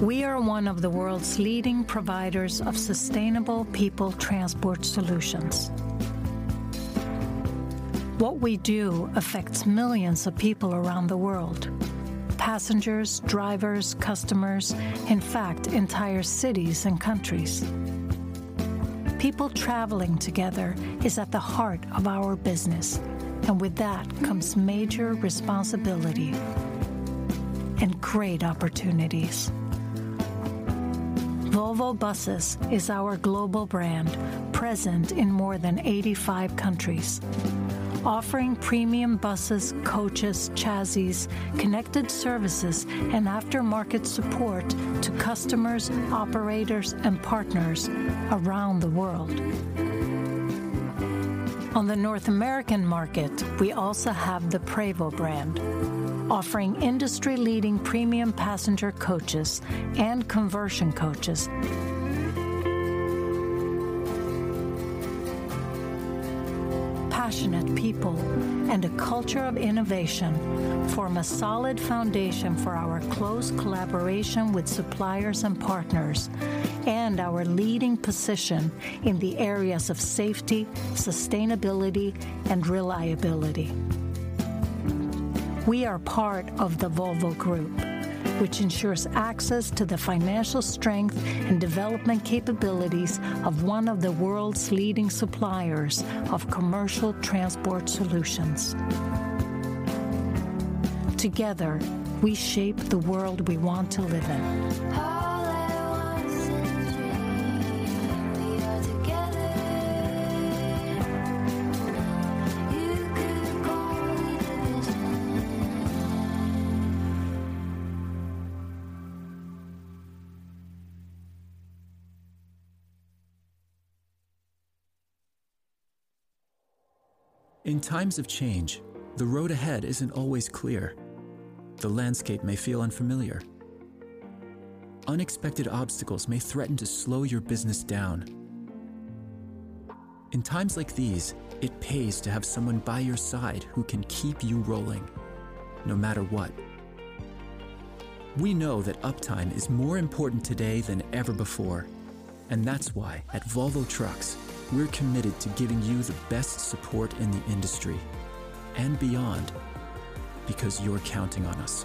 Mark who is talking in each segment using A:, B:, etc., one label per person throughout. A: We are one of the world's leading providers of sustainable people transport solutions. What we do affects millions of people around the world: passengers, drivers, customers, in fact, entire cities and countries. People traveling together is at the heart of our business, and with that comes major responsibility and great opportunities. Volvo Buses is our global brand, present in more than 85 countries, offering premium buses, coaches, chassis, connected services, and aftermarket support to customers, operators, and partners around the world. On the North American market, we also have the Prevost brand, offering industry-leading premium passenger coaches and conversion coaches. Passionate people and a culture of innovation form a solid foundation for our close collaboration with suppliers and partners, and our leading position in the areas of safety, sustainability, and reliability. We are part of the Volvo Group, which ensures access to the financial strength and development capabilities of one of the world's leading suppliers of commercial transport solutions. Together, we shape the world we want to live in. In times of change, the road ahead isn't always clear. The landscape may feel unfamiliar. Unexpected obstacles may threaten to slow your business down. In times like these, it pays to have someone by your side who can keep you rolling, no matter what. We know that uptime is more important today than ever before. That's why at Volvo Trucks, we're committed to giving you the best support in the industry and beyond, because you're counting on us.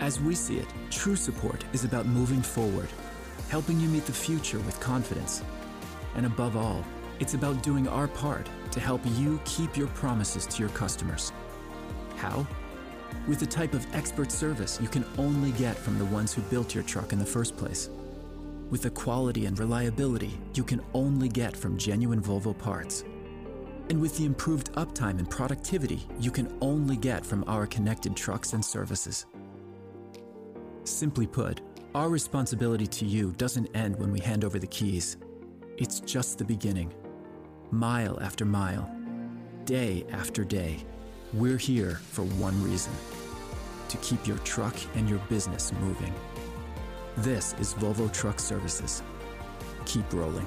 A: As we see it, true support is about moving forward, helping you meet the future with confidence. Above all, it's about doing our part to help you keep your promises to your customers. How? With the type of expert service you can only get from the ones who built your truck in the first place. With the quality and reliability you can only get from genuine Volvo parts, and with the improved uptime and productivity you can only get from our connected trucks and services. Simply put, our responsibility to you doesn't end when we hand over the keys. It's just the beginning. Mile after mile, day after day, we're here for one reason: to keep your truck and your business moving. This is Volvo Trucks Services. Keep rolling.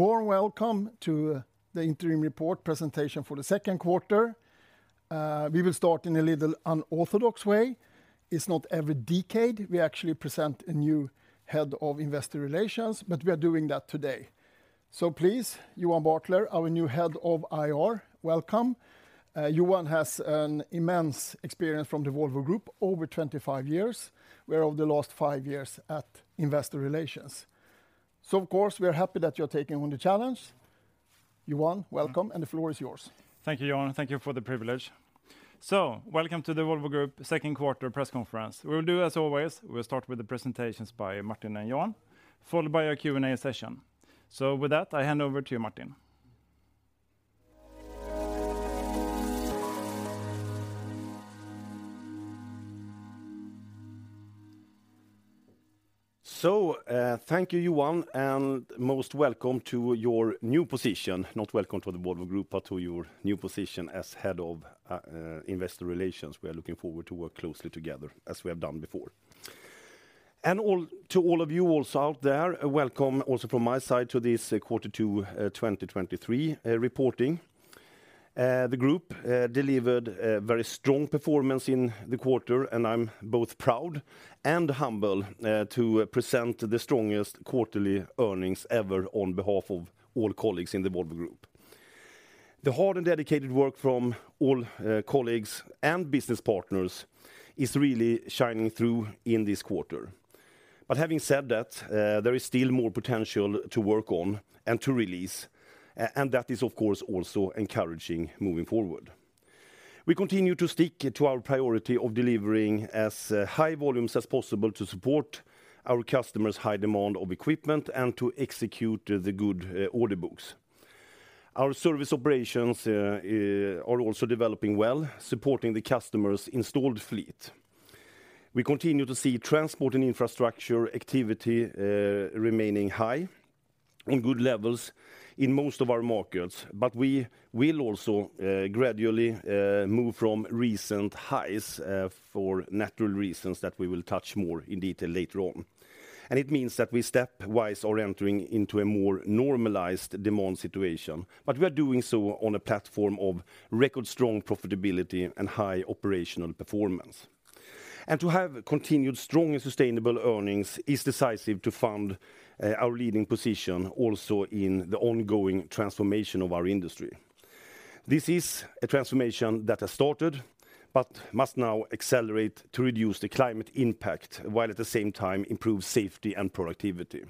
B: Warm welcome to the interim report presentation for the second quarter. We will start in a little unorthodox way. It's not every decade we actually present a new Head of Investor Relations. We are doing that today. Please, Johan Bartler, our new Head of IR, welcome. Johan has an immense experience from the Volvo Group, over 25 years, where of the last 5 years at Investor Relations. Of course, we are happy that you're taking on the challenge. Johan, welcome. The floor is yours.
C: Thank you, Johan, thank you for the privilege. Welcome to the Volvo Group second quarter press conference. We will do as always, we'll start with the presentations by Martin and Johan, followed by our Q&A session. With that, I hand over to you, Martin.
D: Thank you, Johan, and most welcome to your new position. Not welcome to the Volvo Group, but to your new position as Head of Investor Relations. We are looking forward to work closely together as we have done before. To all of you also out there, welcome also from my side to this quarter 2, 2023 reporting. The group delivered a very strong performance in the quarter, and I'm both proud and humble to present the strongest quarterly earnings ever on behalf of all colleagues in the Volvo Group. The hard and dedicated work from all colleagues and business partners is really shining through in this quarter. Having said that, there is still more potential to work on and to release, and that is, of course, also encouraging moving forward. We continue to stick to our priority of delivering as high volumes as possible to support our customers' high demand of equipment and to execute the good order books. Our service operations are also developing well, supporting the customers' installed fleet. We continue to see transport and infrastructure activity remaining high, in good levels in most of our markets, but we will also gradually move from recent highs for natural reasons that we will touch more in detail later on. It means that we stepwise are entering into a more normalized demand situation, but we are doing so on a platform of record-strong profitability and high operational performance. To have continued strong and sustainable earnings is decisive to fund our leading position also in the ongoing transformation of our industry. This is a transformation that has started but must now accelerate to reduce the climate impact, while at the same time improve safety and productivity.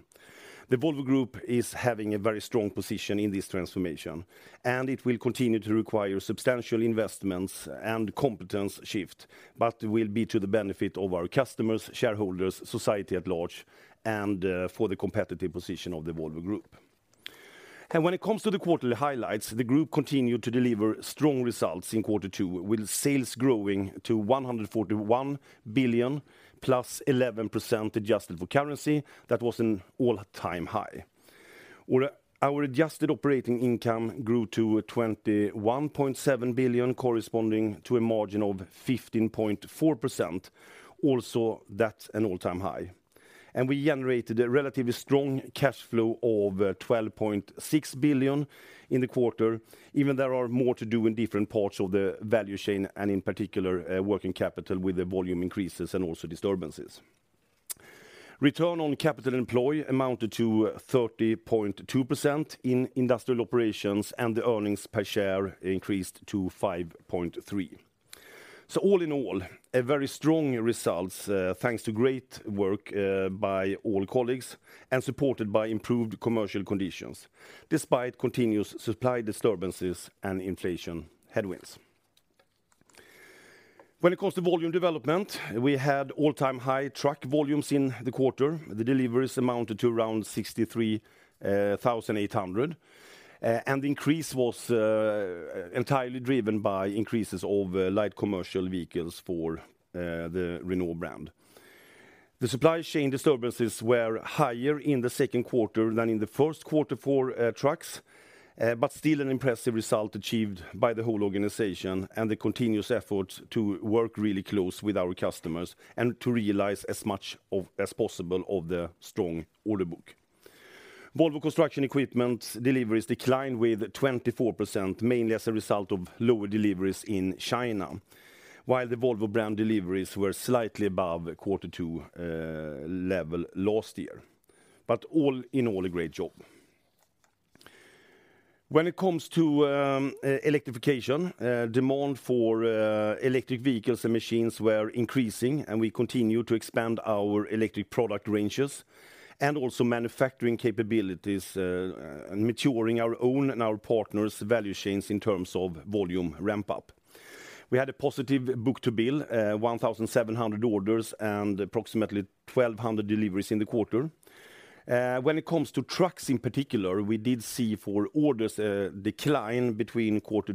D: The Volvo Group is having a very strong position in this transformation, and it will continue to require substantial investments and competence shift, but will be to the benefit of our customers, shareholders, society at large, and for the competitive position of the Volvo Group. When it comes to the quarterly highlights, the group continued to deliver strong results in quarter two, with sales growing to 141 billion, plus 11% adjusted for currency. That was an all-time high. Our adjusted operating income grew to 21.7 billion, corresponding to a margin of 15.4%. Also, that's an all-time high. We generated a relatively strong cash flow of 12.6 billion in the quarter, even there are more to do in different parts of the value chain, and in particular, working capital with the volume increases and also disturbances. Return on capital employed amounted to 30.2% in industrial operations, and the earnings per share increased to 5.3. All in all, a very strong results, thanks to great work by all colleagues and supported by improved commercial conditions, despite continuous supply disturbances and inflation headwinds. When it comes to volume development, we had all-time high truck volumes in the quarter. The deliveries amounted to around 63,800, and the increase was entirely driven by increases of light commercial vehicles for the Renault brand. The supply chain disturbances were higher in the second quarter than in the first quarter for trucks, but still an impressive result achieved by the whole organization and the continuous efforts to work really close with our customers and to realize as much as possible of the strong order book. Volvo Construction Equipment deliveries declined with 24%, mainly as a result of lower deliveries in China, while the Volvo brand deliveries were slightly above quarter 2 level last year. All in all, a great job. When it comes to electrification, demand for electric vehicles and machines were increasing, and we continue to expand our electric product ranges and also manufacturing capabilities and maturing our own and our partners' value chains in terms of volume ramp up. We had a positive book-to-bill, 1,700 orders and approximately 1,200 deliveries in the quarter. When it comes to trucks in particular, we did see for orders a decline between quarter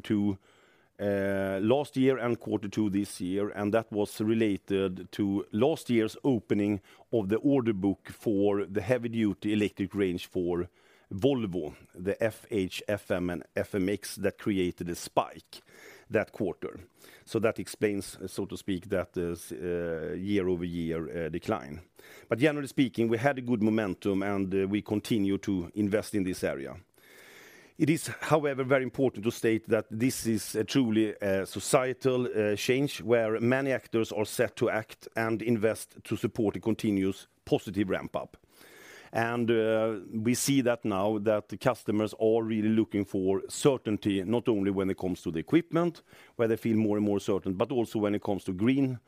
D: two last year and quarter two this year, and that was related to last year's opening of the order book for the heavy-duty electric range for Volvo, the FH, FM, and FMX that created a spike that quarter. That explains, so to speak, that year-over-year decline. Generally speaking, we had a good momentum, and we continue to invest in this area. It is, however, very important to state that this is a truly a societal change, where many actors are set to act and invest to support a continuous positive ramp up. We see that now that the customers are really looking for certainty, not only when it comes to the equipment, where they feel more and more certain, but also when it comes to green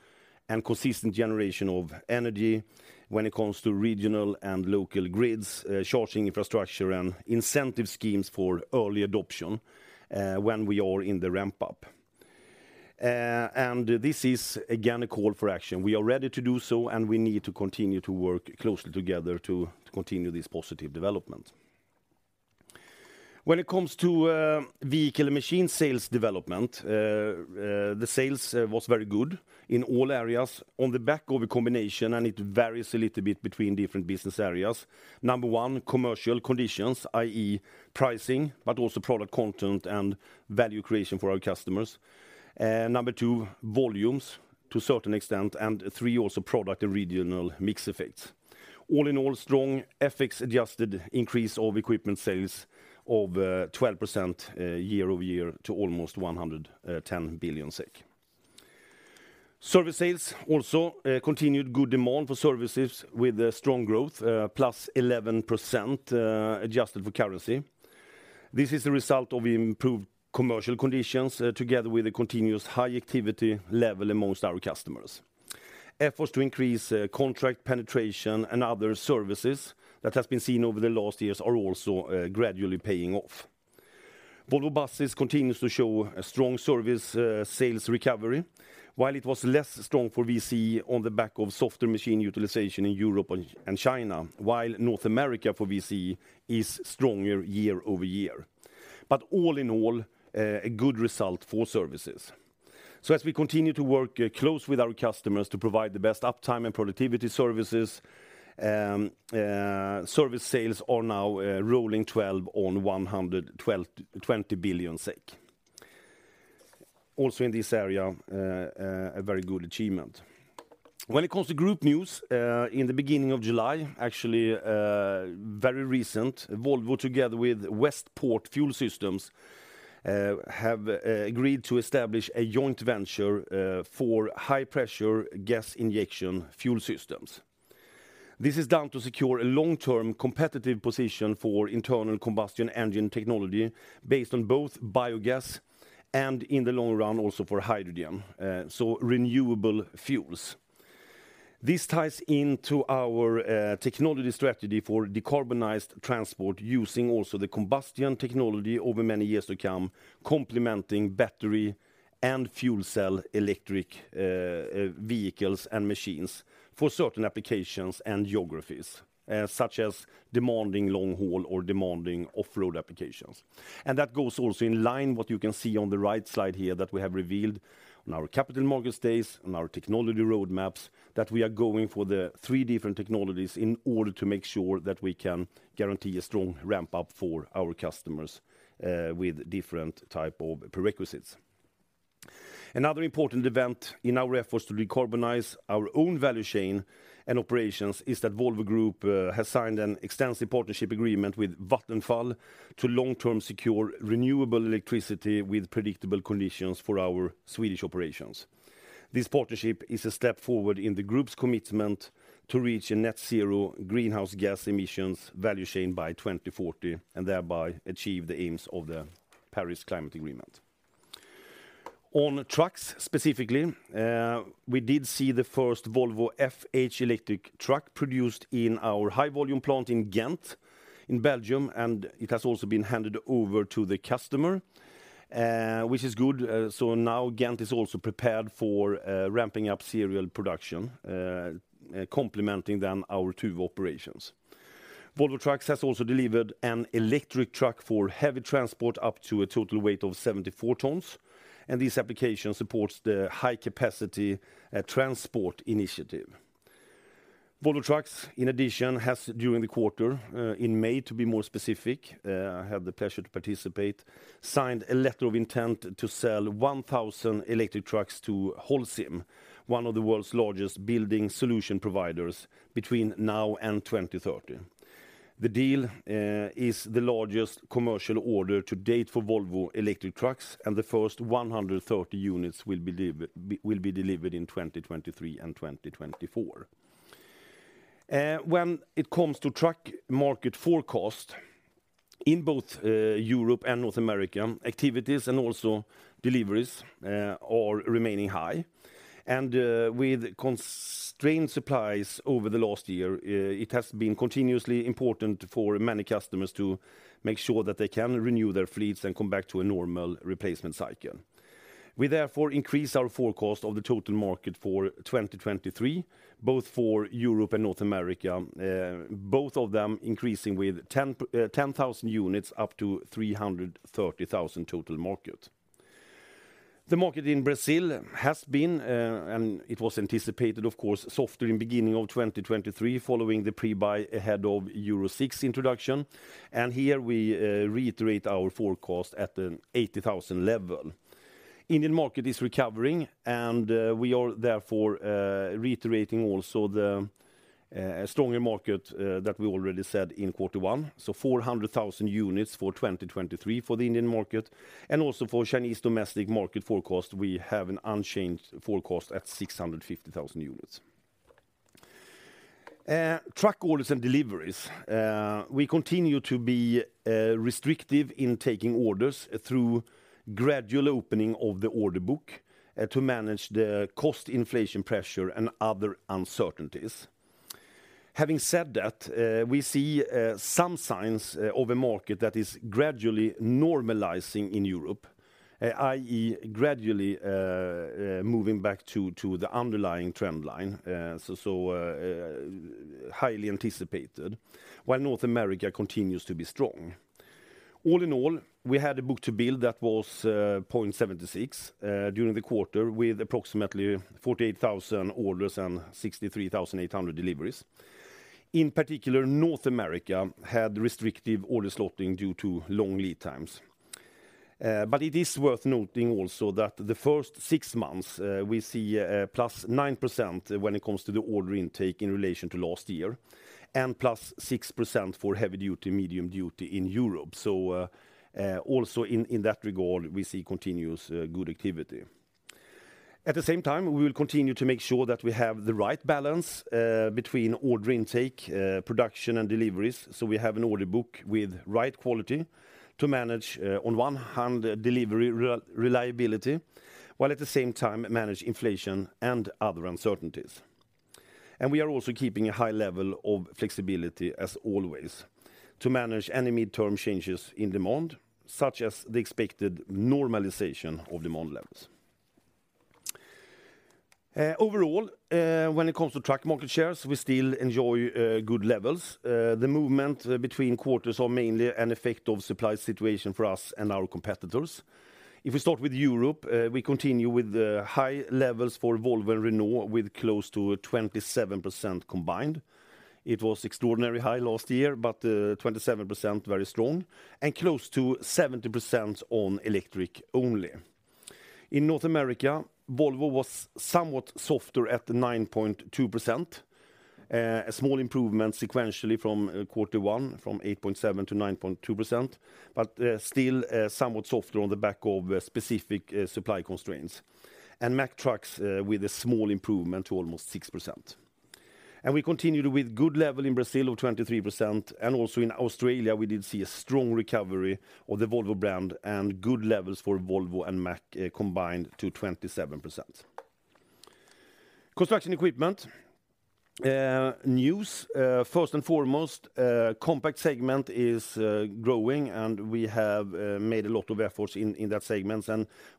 D: and consistent generation of energy, when it comes to regional and local grids, charging infrastructure, and incentive schemes for early adoption, when we are in the ramp up. This is, again, a call for action. We are ready to do so, and we need to continue to work closely together to continue this positive development. When it comes to vehicle and machine sales development, the sales was very good in all areas on the back of a combination, and it varies a little bit between different business areas. Number one, commercial conditions, i.e., pricing, but also product content and value creation for our customers. Number two, volumes to a certain extent, and three, also product and regional mix effects. All in all, strong FX-adjusted increase of equipment sales of 12% year-over-year to almost 110 billion SEK. Service sales also continued good demand for services with a strong growth plus 11% adjusted for currency. This is a result of improved commercial conditions together with a continuous high activity level amongst our customers. Efforts to increase contract penetration and other services that has been seen over the last years are also gradually paying off. Volvo Buses continues to show a strong service sales recovery, while it was less strong for VC on the back of softer machine utilization in Europe and China, while North America for VC is stronger year-over-year. All in all, a good result for services. As we continue to work close with our customers to provide the best uptime and productivity services, service sales are now rolling 12 on 120 billion SEK. Also, in this area, a very good achievement. When it comes to group news, in the beginning of July, actually, very recent, Volvo, together with Westport Fuel Systems, have agreed to establish a joint venture for high-pressure gas injection fuel systems. This is done to secure a long-term competitive position for internal combustion engine technology, based on both biogas and, in the long run, also for hydrogen, so renewable fuels. This ties into our technology strategy for decarbonized transport, using also the combustion technology over many years to come, complementing battery and fuel cell electric vehicles and machines for certain applications and geographies, such as demanding long-haul or demanding off-road applications. That goes also in line, what you can see on the right side here, that we have revealed on our capital market days, on our technology roadmaps, that we are going for the three different technologies in order to make sure that we can guarantee a strong ramp-up for our customers, with different type of prerequisites. Another important event in our efforts to decarbonize our own value chain and operations is that Volvo Group has signed an extensive partnership agreement with Vattenfall to long-term secure renewable electricity with predictable conditions for our Swedish operations. This partnership is a step forward in the group's commitment to reach a net zero greenhouse gas emissions value chain by 2040, and thereby achieve the aims of the Paris Climate Agreement. On trucks, specifically, we did see the first Volvo FH electric truck produced in our high-volume plant in Ghent, in Belgium, and it has also been handed over to the customer, which is good. Now Ghent is also prepared for ramping up serial production, complementing then our two operations. Volvo Trucks has also delivered an electric truck for heavy transport, up to a total weight of 74 tons, and this application supports the high-capacity transport initiative. Volvo Trucks, in addition, has, during the quarter, in May, to be more specific, I had the pleasure to participate, signed a letter of intent to sell 1,000 electric trucks to Holcim, one of the world's largest building solution providers, between now and 2030. The deal is the largest commercial order to date for Volvo electric trucks, and the first 130 units will be delivered in 2023 and 2024. When it comes to truck market forecast, in both Europe and North America, activities and also deliveries are remaining high. With constrained supplies over the last year, it has been continuously important for many customers to make sure that they can renew their fleets and come back to a normal replacement cycle. We therefore increase our forecast of the total market for 2023, both for Europe and North America, both of them increasing with 10,000 units, up to 330,000 total market. The market in Brazil has been, and it was anticipated, of course, softer in beginning of 2023, following the pre-buy ahead of Euro 6 introduction. Here we reiterate our forecast at the 80,000 level. Indian market is recovering, and we are therefore reiterating also the stronger market that we already said in quarter one, so 400,000 units for 2023 for the Indian market. Also for Chinese domestic market forecast, we have an unchanged forecast at 650,000 units. Truck orders and deliveries. We continue to be restrictive in taking orders through gradual opening of the order book to manage the cost inflation pressure and other uncertainties. Having said that, we see some signs of a market that is gradually normalizing in Europe, i.e., gradually moving back to the underlying trend line, so highly anticipated, while North America continues to be strong. All in all, we had a book-to-build that was 0.76 during the quarter, with approximately 48,000 orders and 63,800 deliveries. In particular, North America had restrictive order slotting due to long lead times. It is worth noting also that the first six months, we see +9% when it comes to the order intake in relation to last year, and +6% for heavy-duty, medium-duty in Europe. Also in that regard, we see continuous good activity. At the same time, we will continue to make sure that we have the right balance between order intake, production, and deliveries, so we have an order book with right quality to manage on one hand, delivery reliability, while at the same time manage inflation and other uncertainties. We are also keeping a high level of flexibility, as always, to manage any midterm changes in demand, such as the expected normalization of demand levels. Overall, when it comes to truck market shares, we still enjoy good levels. The movement between quarters are mainly an effect of supply situation for us and our competitors. If we start with Europe, we continue with the high levels for Volvo and Renault, with close to 27% combined. It was extraordinary high last year, but 27%, very strong and close to 70% on electric only. In North America, Volvo was somewhat softer at 9.2%. A small improvement sequentially from Q1, from 8.7 to 9.2%, but still somewhat softer on the back of specific supply constraints. Mack Trucks, with a small improvement to almost 6%. We continued with good level in Brazil of 23%, and also in Australia, we did see a strong recovery of the Volvo brand and good levels for Volvo and Mack, combined to 27%. Construction Equipment. News, first and foremost, compact segment is growing, and we have made a lot of efforts in that segment.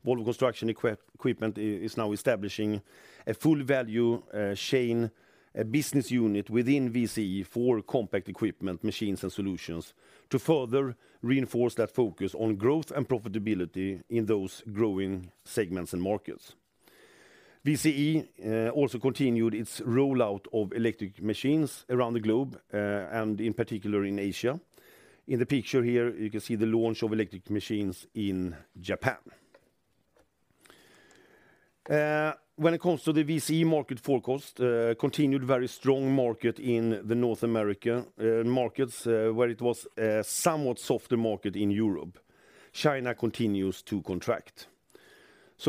D: Volvo Construction Equipment is now establishing a full value chain, a business unit within VCE for compact equipment, machines, and solutions to further reinforce that focus on growth and profitability in those growing segments and markets. VCE also continued its rollout of electric machines around the globe, and in particular in Asia. In the picture here, you can see the launch of electric machines in Japan. When it comes to the VCE market forecast, continued very strong market in the North America markets, where it was a somewhat softer market in Europe. China continues to contract.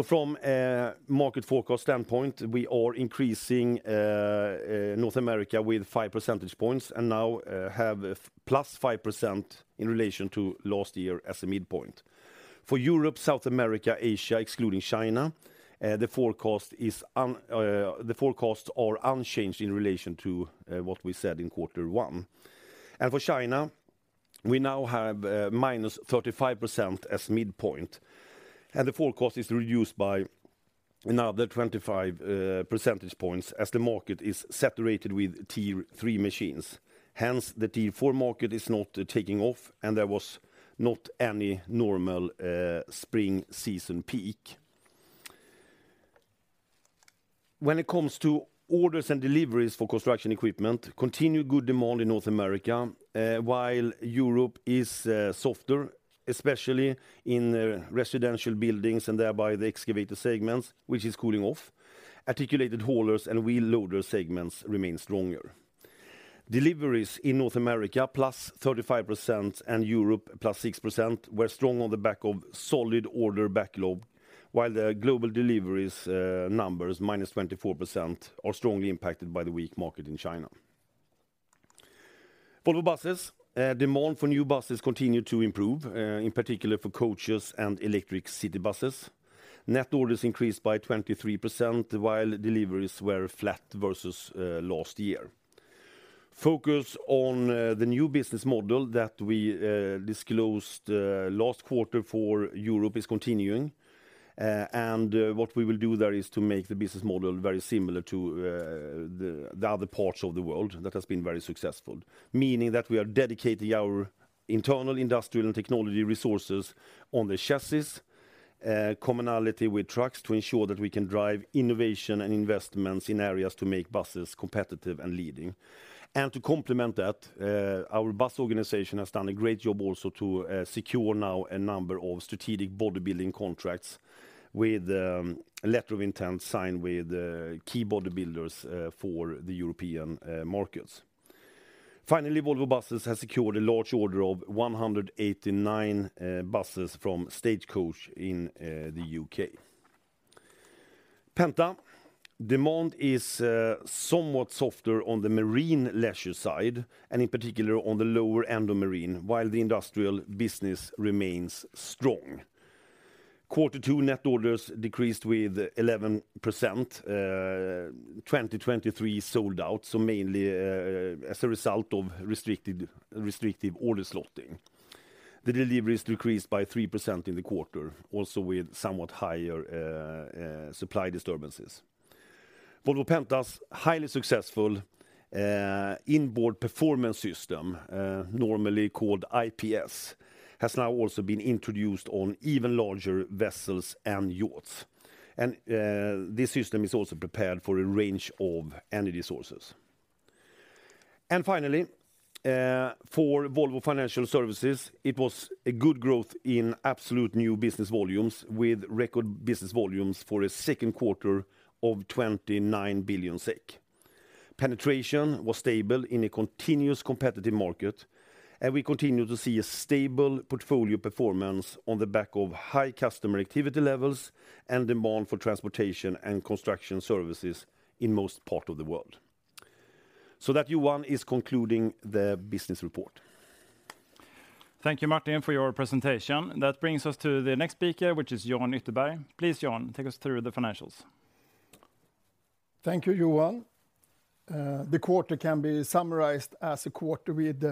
D: From a market forecast standpoint, we are increasing North America with 5 percentage points and now have +5% in relation to last year as a midpoint. For Europe, South America, Asia, excluding China, the forecasts are unchanged in relation to what we said in quarter one. For China, we now have -35% as midpoint, and the forecast is reduced by another 25 percentage points as the market is saturated with Tier III machines. Hence, the Tier IV market is not taking off, and there was not any normal spring season peak. When it comes to orders and deliveries for Construction Equipment, continued good demand in North America, while Europe is softer, especially in the residential buildings and thereby the excavator segments, which is cooling off. Articulated haulers and wheel loader segments remain stronger. Deliveries in North America, +35%, and Europe, +6%, were strong on the back of solid order backlog, while the global deliveries numbers, -24%, are strongly impacted by the weak market in China. Volvo Buses, demand for new buses continued to improve, in particular for coaches and electric city buses. Net orders increased by 23%, while deliveries were flat versus last year. Focus on the new business model that we disclosed last quarter for Europe is continuing. What we will do there is to make the business model very similar to the other parts of the world that has been very successful. Meaning that we are dedicating our internal industrial and technology resources on the chassis, commonality with trucks, to ensure that we can drive innovation and investments in areas to make buses competitive and leading. To complement that, our bus organization has done a great job also to secure now a number of strategic bodybuilding contracts with a letter of intent signed with key bodybuilders for the European markets. Finally, Volvo Buses has secured a large order of 189 buses from Stagecoach in the UK. Penta, demand is somewhat softer on the marine leisure side, and in particular on the lower end of marine, while the industrial business remains strong. Quarter 2 net orders decreased with 11%, 2023 sold out, mainly as a result of restricted order slotting. The deliveries decreased by 3% in the quarter, also with somewhat higher supply disturbances. Volvo Penta's highly successful Inboard Performance System, normally called IPS, has now also been introduced on even larger vessels and yachts. This system is also prepared for a range of energy sources. Finally, for Volvo Financial Services, it was a good growth in absolute new business volumes, with record business volumes for a second quarter of 29 billion SEK. penetration was stable in a continuous competitive market. We continue to see a stable portfolio performance on the back of high customer activity levels and demand for transportation and construction services in most part of the world. That, Johan, is concluding the business report.
C: Thank you, Martin, for your presentation. That brings us to the next speaker, which is Jan Ytterberg. Please, Jan, take us through the financials.
B: Thank you, Johan. The quarter can be summarized as a quarter with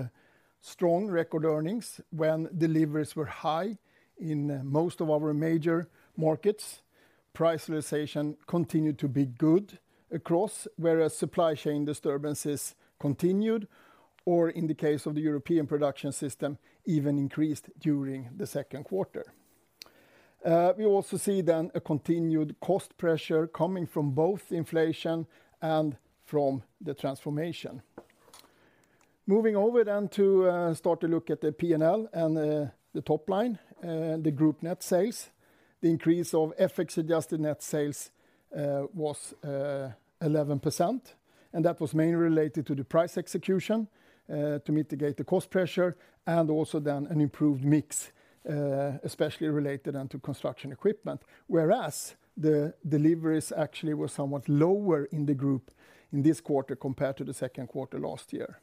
B: strong record earnings, when deliveries were high in most of our major markets. Price realization continued to be good across, whereas supply chain disturbances continued, or in the case of the European production system, even increased during the second quarter. We also see a continued cost pressure coming from both inflation and from the transformation. Moving over then to start to look at the P&L and the top line, the group net sales. The increase of FX-adjusted net sales was 11%, and that was mainly related to the price execution to mitigate the cost pressure, and also then an improved mix, especially related then to construction equipment. The deliveries actually were somewhat lower in the group in this quarter compared to the second quarter last year.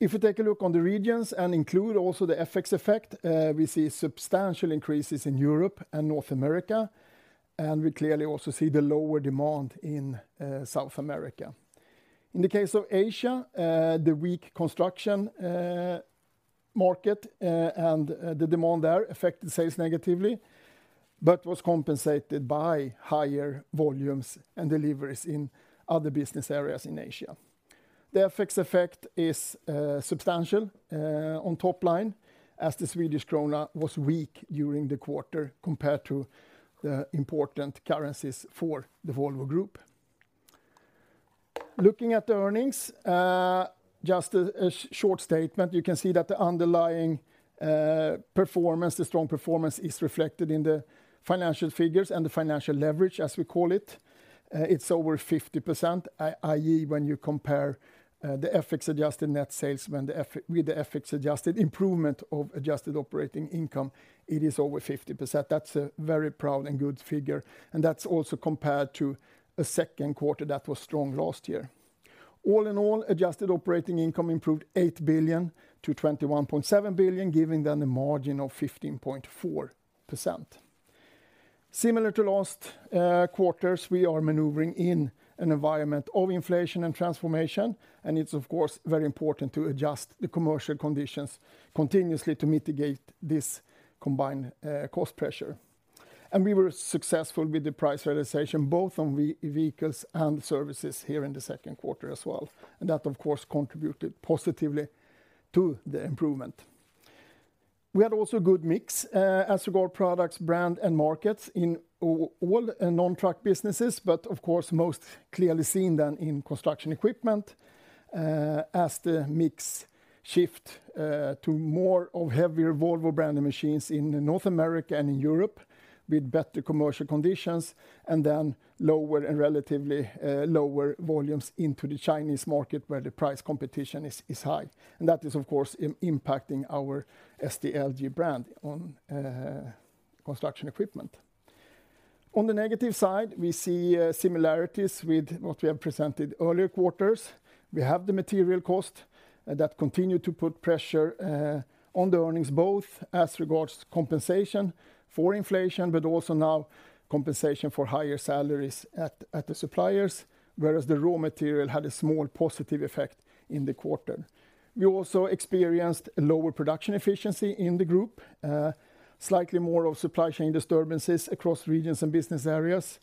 B: If you take a look on the regions and include also the FX effect, we see substantial increases in Europe and North America, and we clearly also see the lower demand in South America. In the case of Asia, the weak construction market, and the demand there affected sales negatively, but was compensated by higher volumes and deliveries in other business areas in Asia. The FX effect is substantial on top line, as the Swedish krona was weak during the quarter compared to the important currencies for the Volvo Group. Looking at the earnings, just a short statement, you can see that the underlying performance, the strong performance, is reflected in the financial figures and the financial leverage, as we call it. It's over 50%, i.e., when you compare the FX-adjusted net sales with the FX-adjusted improvement of adjusted operating income, it is over 50%. That's a very proud and good figure, and that's also compared to a second quarter that was strong last year. All in all, adjusted operating income improved 8 billion to 21.7 billion, giving then a margin of 15.4%. Similar to last quarters, we are maneuvering in an environment of inflation and transformation, it's of course, very important to adjust the commercial conditions continuously to mitigate this combined cost pressure. We were successful with the price realization, both on vehicles and services here in the second quarter as well, and that, of course, contributed positively to the improvement. We had also a good mix, as regard products, brand, and markets in all non-truck businesses, but of course, most clearly seen than in construction equipment, as the mix shift to more of heavier Volvo branded machines in North America and in Europe, with better commercial conditions, and then lower and relatively lower volumes into the Chinese market, where the price competition is high. That is, of course, impacting our SDLG brand on construction equipment. On the negative side, we see similarities with what we have presented earlier quarters. We have the material cost that continue to put pressure on the earnings, both as regards to compensation for inflation, but also now compensation for higher salaries at the suppliers, whereas the raw material had a small positive effect in the quarter. We also experienced a lower production efficiency in the Group. Slightly more of supply chain disturbances across regions and business areas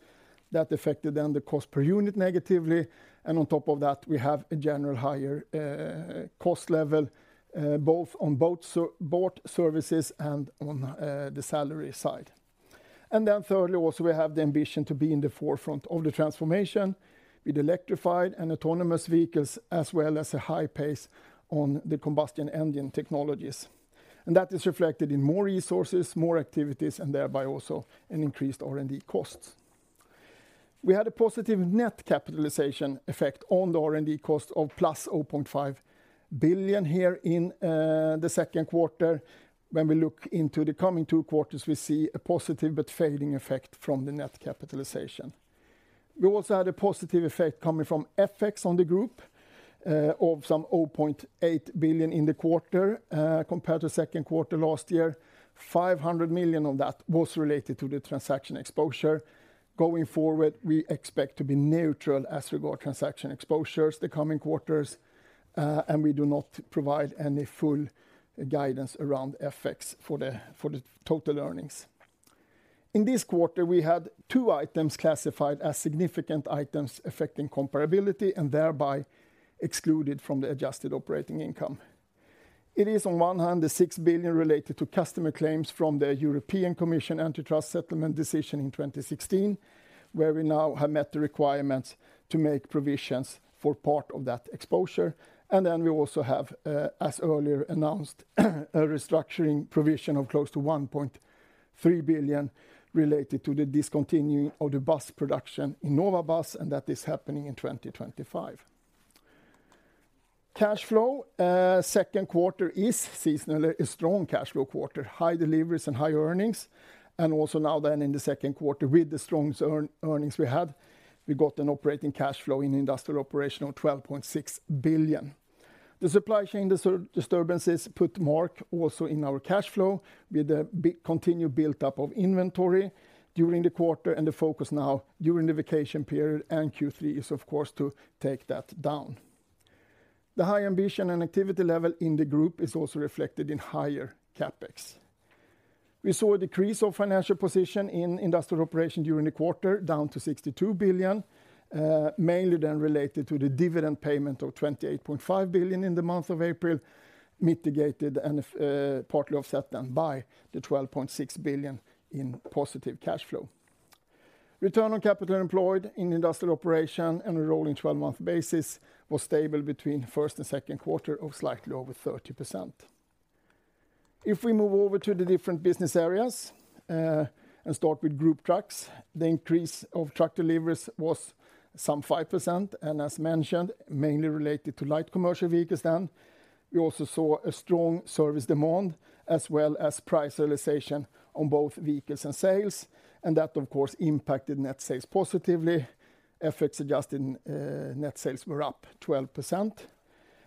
B: that affected then the cost per unit negatively. On top of that, we have a general higher cost level, both on both services and on the salary side. Thirdly, also, we have the ambition to be in the forefront of the transformation with electrified and autonomous vehicles, as well as a high pace on the combustion engine technologies. That is reflected in more resources, more activities, and thereby also an increased R&D cost. We had a positive net capitalization effect on the R&D cost of plus 0.5 billion here in the second quarter. When we look into the coming two quarters, we see a positive but failing effect from the net capitalization. We also had a positive effect coming from FX on the group of some 0.8 billion in the quarter compared to second quarter last year. 500 million of that was related to the transaction exposure. Going forward, we expect to be neutral as regard to transaction exposures the coming quarters, and we do not provide any full guidance around FX for the total earnings. In this quarter, we had two items classified as significant items affecting comparability and thereby excluded from the adjusted operating income. It is on one hand, the 6 billion related to customer claims from the European Commission antitrust settlement decision in 2016, where we now have met the requirements to make provisions for part of that exposure. We also have, as earlier announced, a restructuring provision of close to 1.3 billion related to the discontinuing of the bus production in Nova Bus. That is happening in 2025. Cash flow, second quarter is seasonally a strong cash flow quarter, high deliveries and high earnings. Also now then in the second quarter, with the strongest earnings we had, we got an operating cash flow in industrial operation of 12.6 billion. The supply chain disturbances put mark also in our cash flow, with a continued built up of inventory during the quarter, and the focus now during the vacation period and Q3 is, of course, to take that down. The high ambition and activity level in the group is also reflected in higher CapEx. We saw a decrease of financial position in industrial operation during the quarter, down to 62 billion, mainly then related to the dividend payment of 28.5 billion in the month of April, mitigated and partly offset then by the 12.6 billion in positive cash flow. Return on capital employed in industrial operation and a rolling 12-month basis was stable between first and second quarter of slightly over 30%. We move over to the different business areas, and start with Group Trucks, the increase of truck deliveries was some 5%, and as mentioned, mainly related to light commercial vehicles then. We also saw a strong service demand, as well as price realization on both vehicles and sales, and that, of course, impacted net sales positively. FX-adjusted net sales were up 12%,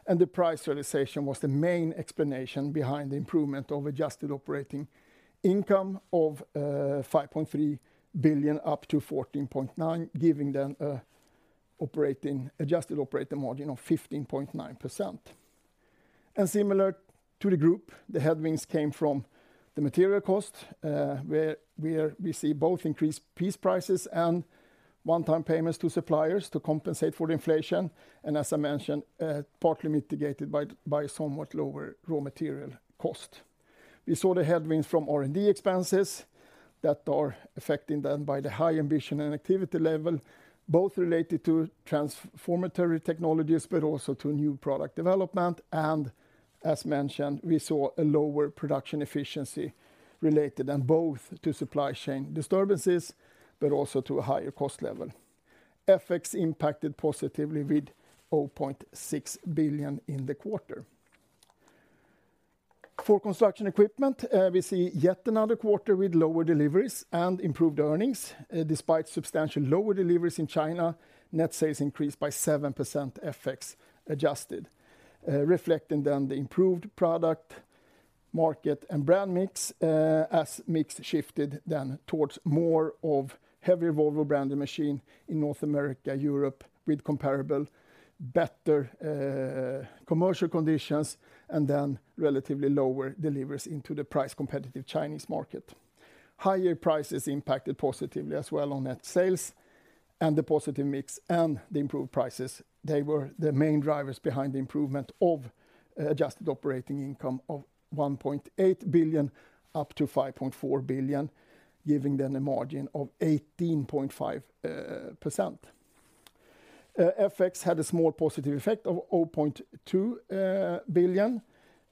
B: and the price realization was the main explanation behind the improvement of adjusted operating income of 5.3 billion, up to 14.9 billion, giving them a adjusted operating margin of 15.9%. Similar to the group, the headwinds came from the material cost, where we see both increased piece prices and one-time payments to suppliers to compensate for the inflation, and as I mentioned, partly mitigated by somewhat lower raw material cost. We saw the headwinds from R&D expenses that are affecting then by the high ambition and activity level, both related to transformatory technologies, but also to new product development. As mentioned, we saw a lower production efficiency related, and both to supply chain disturbances, but also to a higher cost level. FX impacted positively with 0.6 billion in the quarter. For Construction Equipment, we see yet another quarter with lower deliveries and improved earnings. Despite substantial lower deliveries in China, net sales increased by 7% FX-adjusted, reflecting then the improved product, market, and brand mix, as mix shifted then towards more of heavier Volvo-branded machine in North America, Europe, with comparable better commercial conditions, and then relatively lower deliveries into the price-competitive Chinese market. Higher prices impacted positively as well on net sales and the positive mix and the improved prices. They were the main drivers behind the improvement of adjusted operating income of 1.8 billion, up to 5.4 billion, giving then a margin of 18.5%. FX had a small positive effect of 0.2 billion.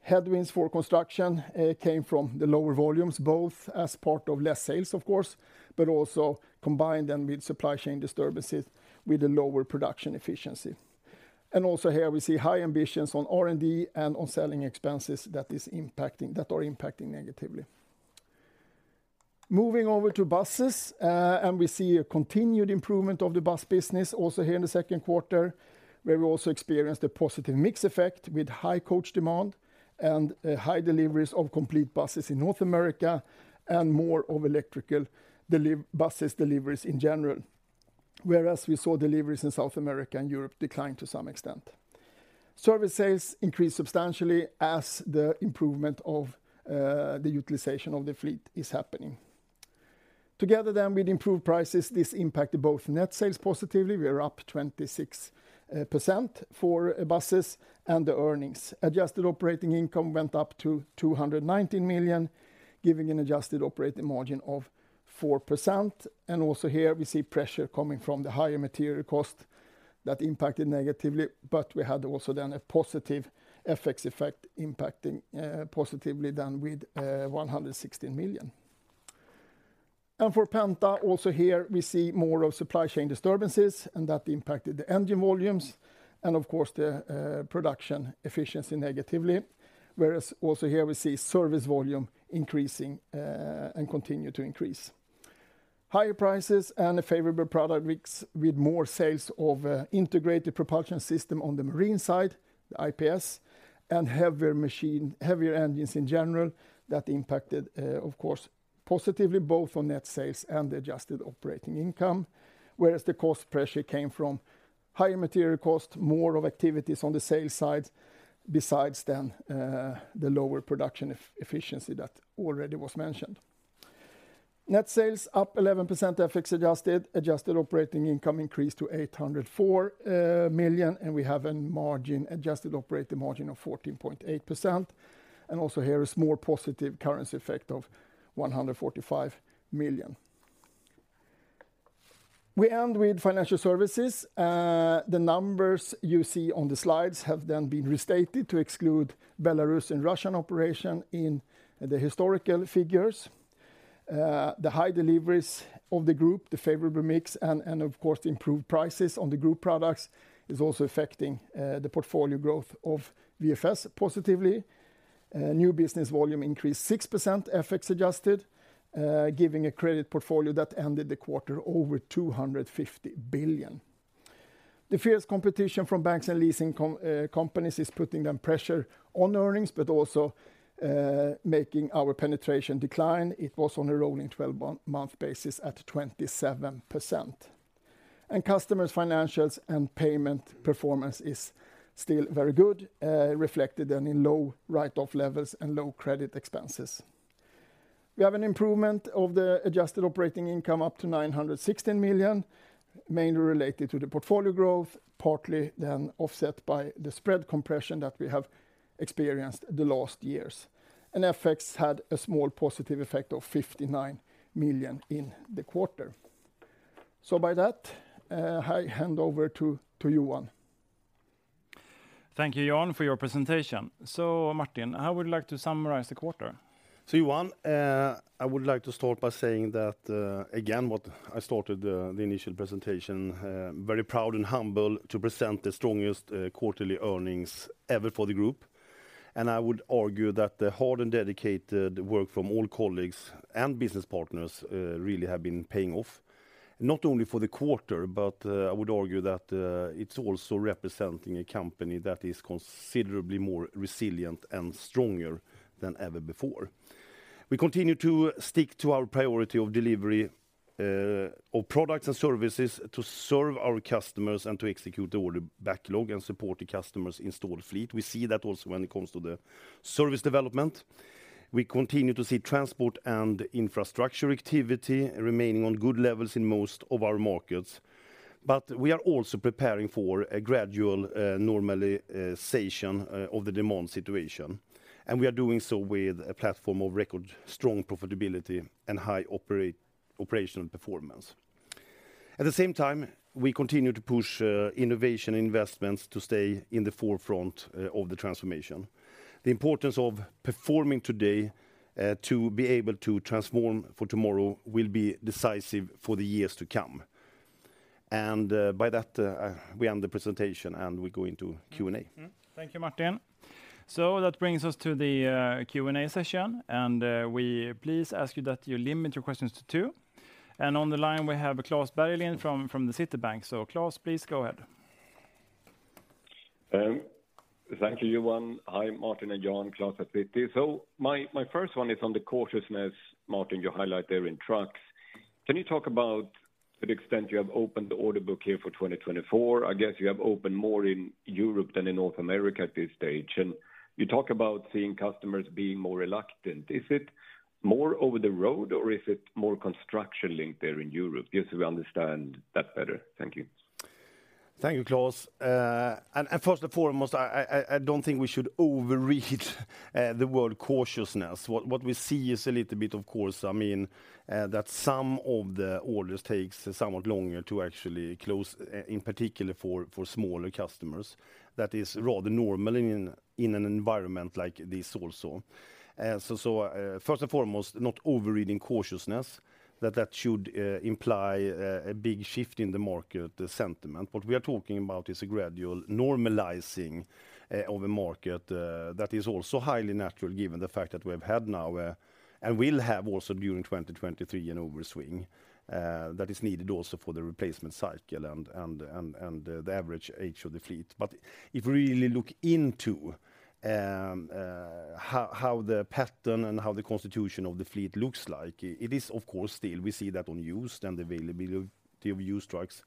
B: Headwinds for construction came from the lower volumes, both as part of less sales, of course, but also combined then with supply chain disturbances, with a lower production efficiency. Also here, we see high ambitions on R&D and on selling expenses that are impacting negatively. Moving over to buses, we see a continued improvement of the bus business also here in the second quarter, where we also experienced a positive mix effect with high coach demand and high deliveries of complete buses in North America, and more of electrical buses deliveries in general, whereas we saw deliveries in South America and Europe decline to some extent. Service sales increased substantially as the improvement of the utilization of the fleet is happening. Together with improved prices, this impacted both net sales positively, we are up 26% for buses, and the earnings. Adjusted operating income went up to 219 million, giving an adjusted operating margin of 4%. Also here, we see pressure coming from the higher material cost that impacted negatively, but we had also then a positive FX effect impacting positively then with 116 million. For Penta, also here, we see more of supply chain disturbances, and that impacted the engine volumes and, of course, the production efficiency negatively. Also here, we see service volume increasing and continue to increase. Higher prices and a favorable product mix with more sales of integrated propulsion system on the marine side, the IPS, and heavier engines in general, that impacted, of course, positively, both on net sales and adjusted operating income. The cost pressure came from higher material cost, more of activities on the sales side, besides then, the lower production efficiency that already was mentioned. Net sales up 11%, FX adjusted. Adjusted operating income increased to 804 million, we have an adjusted operating margin of 14.8%. Also here, a small positive currency effect of 145 million. We end with Financial Services. The numbers you see on the slides have been restated to exclude Belarusian and Russian operations in the historical figures. The high deliveries of the group, the favorable mix, and of course, the improved prices on the group products is also affecting the portfolio growth of VFS positively. New business volume increased 6% FX adjusted, giving a credit portfolio that ended the quarter over 250 billion. The fierce competition from banks and leasing companies is putting them pressure on earnings, but also making our penetration decline. It was on a rolling 12-month basis at 27%. Customers' financials and payment performance is still very good, reflected in low write-off levels and low credit expenses. We have an improvement of the adjusted operating income up to 916 million, mainly related to the portfolio growth, partly then offset by the spread compression that we have experienced the last years. FX had a small positive effect of 59 million in the quarter. By that, I hand over to Johan.
C: Thank you, Jan, for your presentation. Martin, how would you like to summarize the quarter?
D: Johan, I would like to start by saying that again, what I started the initial presentation, very proud and humble to present the strongest quarterly earnings ever for the Group. I would argue that the hard and dedicated work from all colleagues and business partners really have been paying off, not only for the quarter, but I would argue that it's also representing a company that is considerably more resilient and stronger than ever before. We continue to stick to our priority of delivery of products and services, to serve our customers and to execute the order backlog and support the customers' installed fleet. We see that also when it comes to the service development. We continue to see transport and infrastructure activity remaining on good levels in most of our markets. We are also preparing for a gradual normalization of the demand situation, and we are doing so with a platform of record-strong profitability and high operational performance. At the same time, we continue to push innovation investments to stay in the forefront of the transformation. The importance of performing today to be able to transform for tomorrow will be decisive for the years to come. By that, we end the presentation. We go into Q&A.
C: Thank you, Martin. That brings us to the Q&A session, and we please ask you that you limit your questions to 2. On the line, we have Klas Bergelind from the Citibank. Klas, please go ahead.
E: Thank you, Johan. Hi, Martin and Jan, Klas at Citi. My first one is on the cautiousness, Martin, you highlight there in trucks. Can you talk about the extent you have opened the order book here for 2024? I guess you have opened more in Europe than in North America at this stage, and you talk about seeing customers being more reluctant. Is it more over the road, or is it more construction linked there in Europe? Just so we understand that better. Thank you.
D: Thank you, Klas. And first and foremost, I don't think we should overread the word cautiousness. What we see is a little bit, of course, I mean, that some of the orders takes somewhat longer to actually close, in particular for smaller customers. That is rather normal in an environment like this also. So first and foremost, not overreading cautiousness, that should imply a big shift in the market, the sentiment. What we are talking about is a gradual normalizing of a market that is also highly natural, given the fact that we've had now and will have also during 2023, an overswing that is needed also for the replacement cycle and the average age of the fleet. If we really look into how the pattern and how the constitution of the fleet looks like, it is of course, still, we see that on used and availability of used trucks.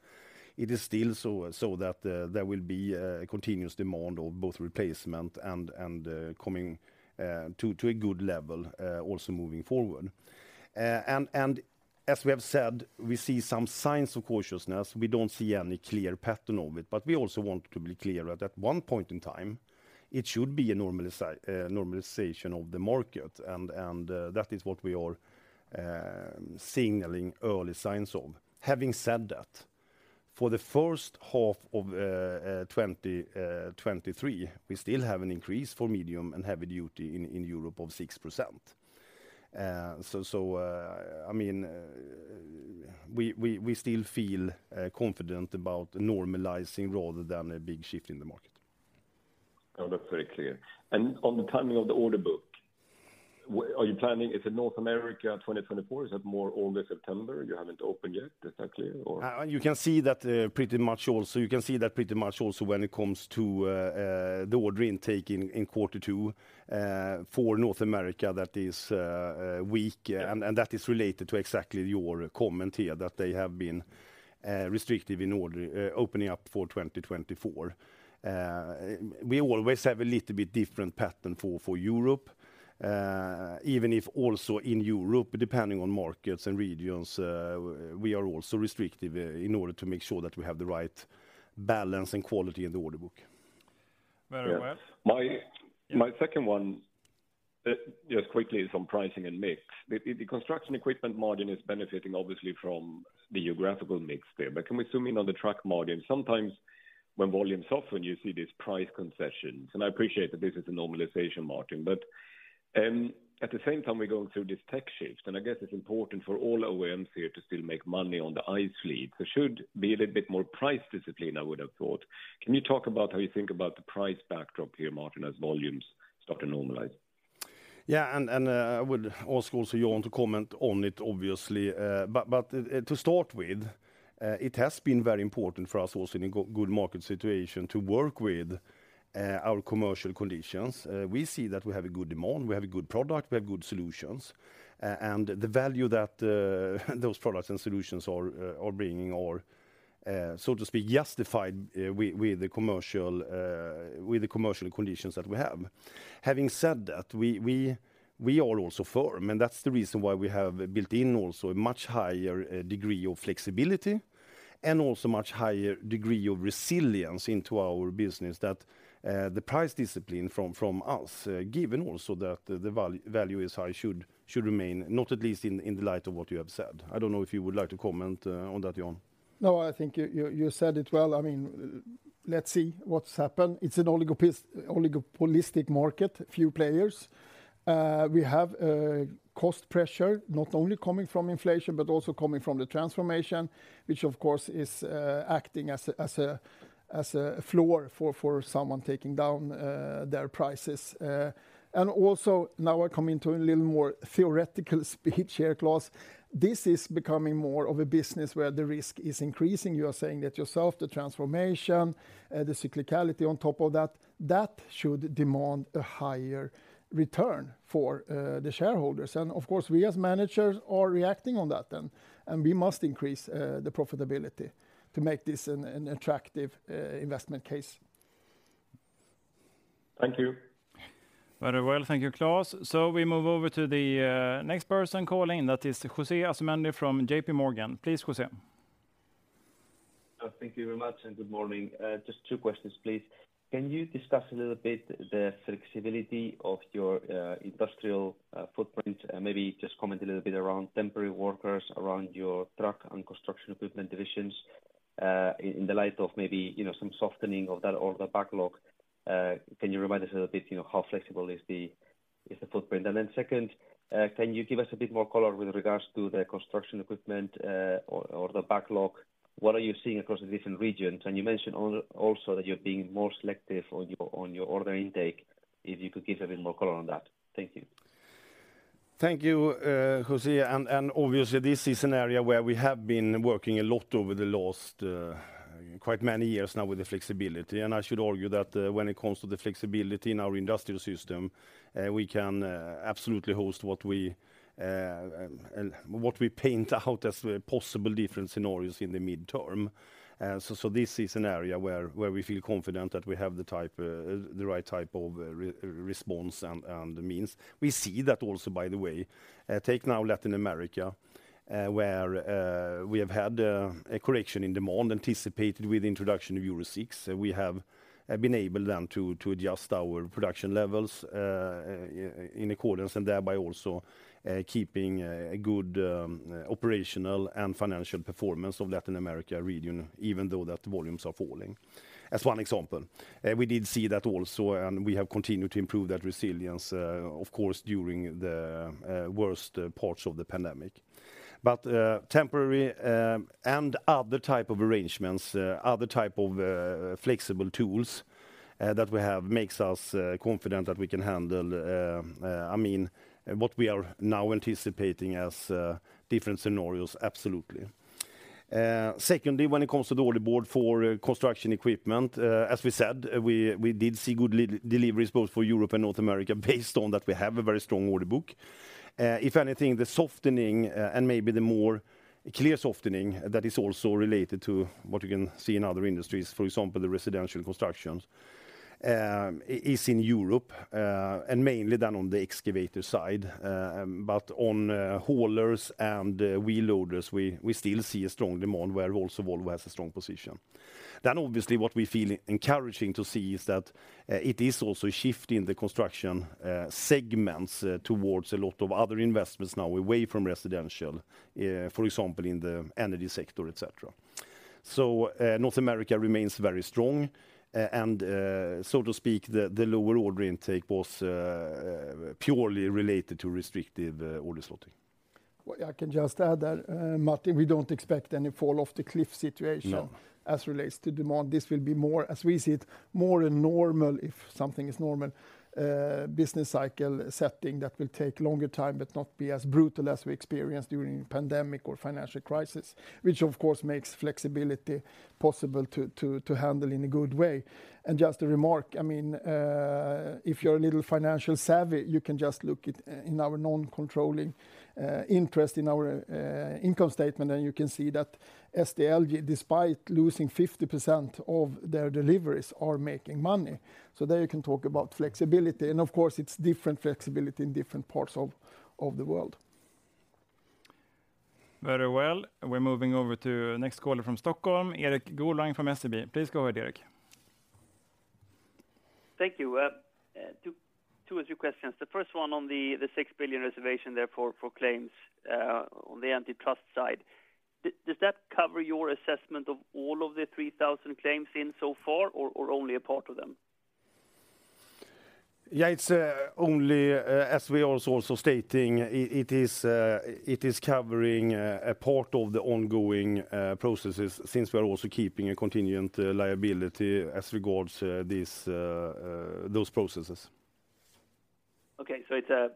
D: It is still so that there will be a continuous demand of both replacement and coming to a good level also moving forward. As we have said, we see some signs of cautiousness. We don't see any clear pattern of it, but we also want to be clear that at one point in time, it should be a normalization of the market, and that is what we are signaling early signs of. Having said that, for the first half of 2023, we still have an increase for medium and heavy duty in Europe of 6%. I mean, we still feel confident about normalizing rather than a big shift in the market.
E: Oh, that's very clear. On the timing of the order book, are you planning. Is it North America, 2024? Is that more August, September? You haven't opened yet. Is that clear, or?
D: You can see that pretty much also when it comes to the order intake in Q2 for North America, that is weak, and that is related to exactly your comment here, that they have been restrictive in order opening up for 2024. We always have a little bit different pattern for Europe, even if also in Europe, depending on markets and regions, we are also restrictive in order to make sure that we have the right balance and quality in the order book.
C: Very well.
E: My second one, just quickly is on pricing and mix. The construction equipment margin is benefiting obviously from the geographical mix there. Can we zoom in on the truck margin? Sometimes, when volume soften, you see these price concessions, and I appreciate that this is a normalization margin. At the same time, we're going through this tech shift, and I guess it's important for all OEMs here to still make money on the ICE. There should be a little bit more price discipline, I would have thought. Can you talk about how you think about the price backdrop here, Martin, as volumes start to normalize?
D: Yeah, I would ask also Jan to comment on it, obviously. To start with, it has been very important for us also in a good market situation to work with our commercial conditions. We see that we have a good demand, we have a good product, we have good solutions, and the value that those products and solutions are bringing are so to speak, justified with the commercial conditions that we have. Having said that, we are also firm, and that's the reason why we have built in also a much higher degree of flexibility and also much higher degree of resilience into our business that the price discipline from us, given also that the value is high, should remain, not at least in the light of what you have said. I don't know if you would like to comment on that, Jan.
B: No, I think you said it well. I mean, let's see what's happened. It's an oligopolistic market, a few players. We have cost pressure, not only coming from inflation, but also coming from the transformation, which, of course, is acting as a floor for someone taking down their prices. Also, now I come into a little more theoretical speech here, Klas. This is becoming more of a business where the risk is increasing. You are saying that yourself, the transformation, the cyclicality on top of that should demand a higher return for the shareholders. Of course, we as managers are reacting on that then, and we must increase the profitability to make this an attractive investment case.
E: Thank you.
C: Very well. Thank you, Klas. We move over to the next person calling. That is Jose Asumendi from J.P. Morgan. Please, Jose.
F: Thank you very much, good morning. Just two questions, please. Can you discuss a little bit the flexibility of your industrial footprint? Maybe just comment a little bit around temporary workers, around your truck and Construction Equipment divisions, in the light of maybe, you know, some softening of that order backlog. Can you remind us a little bit, you know, how flexible is the footprint? Then second, can you give us a bit more color with regards to the Construction Equipment, or the backlog? What are you seeing across the different regions? You mentioned also that you're being more selective on your order intake, if you could give a bit more color on that. Thank you.
D: Thank you, Jose, and obviously, this is an area where we have been working a lot over the last quite many years now with the flexibility. I should argue that when it comes to the flexibility in our industrial system, we can absolutely host what we what we paint out as possible different scenarios in the midterm. This is an area where we feel confident that we have the right type of response and means. We see that also, by the way, take now Latin America, where we have had a correction in demand anticipated with the introduction of Euro 6. We have been able then to adjust our production levels in accordance, and thereby also keeping a good operational and financial performance of Latin America region, even though that volumes are falling, as one example. We did see that also, and we have continued to improve that resilience, of course, during the worst parts of the pandemic. Temporary and other type of arrangements, other type of flexible tools that we have, makes us confident that we can handle, I mean, what we are now anticipating as different scenarios, absolutely. Secondly, when it comes to the order board for construction equipment, as we said, we did see good deliveries both for Europe and North America. Based on that, we have a very strong order book. If anything, the softening, and maybe the more clear softening that is also related to what you can see in other industries, for example, the residential constructions, is in Europe, and mainly down on the excavator side. On haulers and wheel loaders, we still see a strong demand where also Volvo has a strong position. Obviously, what we feel encouraging to see is that it is also a shift in the construction segments towards a lot of other investments now away from residential, for example, in the energy sector, et cetera. North America remains very strong, and so to speak, the lower order intake was purely related to restrictive order slotting.
B: I can just add that, Martin, we don't expect any fall off the cliff situation.
D: No
B: As relates to demand. This will be more, as we see it, more a normal, if something is normal, business cycle setting that will take longer time, but not be as brutal as we experienced during pandemic or financial crisis, which of course, makes flexibility possible to handle in a good way. Just a remark, I mean, if you're a little financial savvy, you can just look at in our non-controlling interest in our income statement, and you can see that SDLG, despite losing 50% of their deliveries, are making money. There you can talk about flexibility, and of course, it's different flexibility in different parts of the world.
C: Very well. We're moving over to next caller from Stockholm, Erik Golrang from SEB. Please go ahead, Erik.
G: Thank you. Two or three questions. The first one on the 6 billion reservation there for claims on the antitrust side? Does that cover your assessment of all of the 3,000 claims in so far, or only a part of them?
D: Yeah, it's only as we are also stating, it is it is covering a part of the ongoing processes, since we are also keeping a contingent liability as regards these those processes.
G: It's,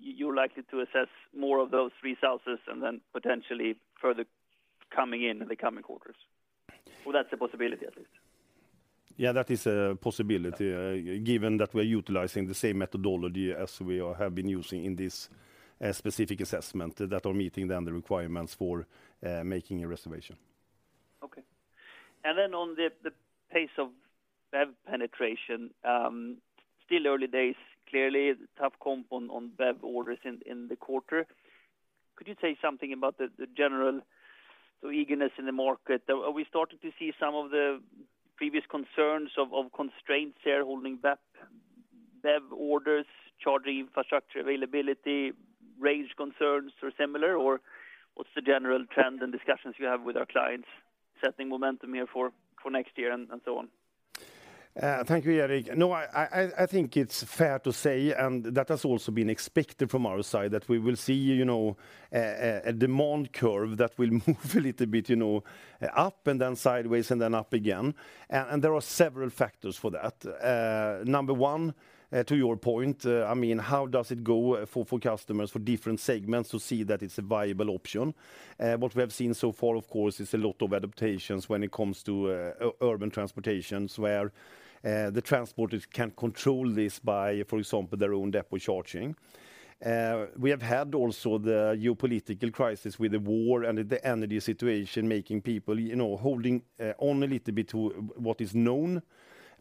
G: you're likely to assess more of those 3,000s and then potentially further coming in the coming quarters? That's a possibility, at least.
D: Yeah, that is a possibility, given that we're utilizing the same methodology as we all have been using in this specific assessment, that are meeting then the requirements for making a reservation.
G: Okay. On the pace of BEV penetration, still early days, clearly, tough comp on BEV orders in the quarter. Could you say something about the general eagerness in the market? Are we starting to see some of the previous concerns of constraints there holding back BEV orders, charging infrastructure availability, range concerns, or similar? What's the general trend and discussions you have with our clients, setting momentum here for next year and so on?
D: Thank you, Erik. No, I think it's fair to say, and that has also been expected from our side, that we will see, you know, a demand curve that will move a little bit, you know, up and then sideways, and then up again. And there are several factors for that. Number one, to your point, I mean, how does it go for customers, for different segments to see that it's a viable option? What we have seen so far, of course, is a lot of adaptations when it comes to urban transportations, where the transporters can control this by, for example, their own depot charging. We have had also the geopolitical crisis with the war and the energy situation, making people, you know, holding on a little bit to what is known,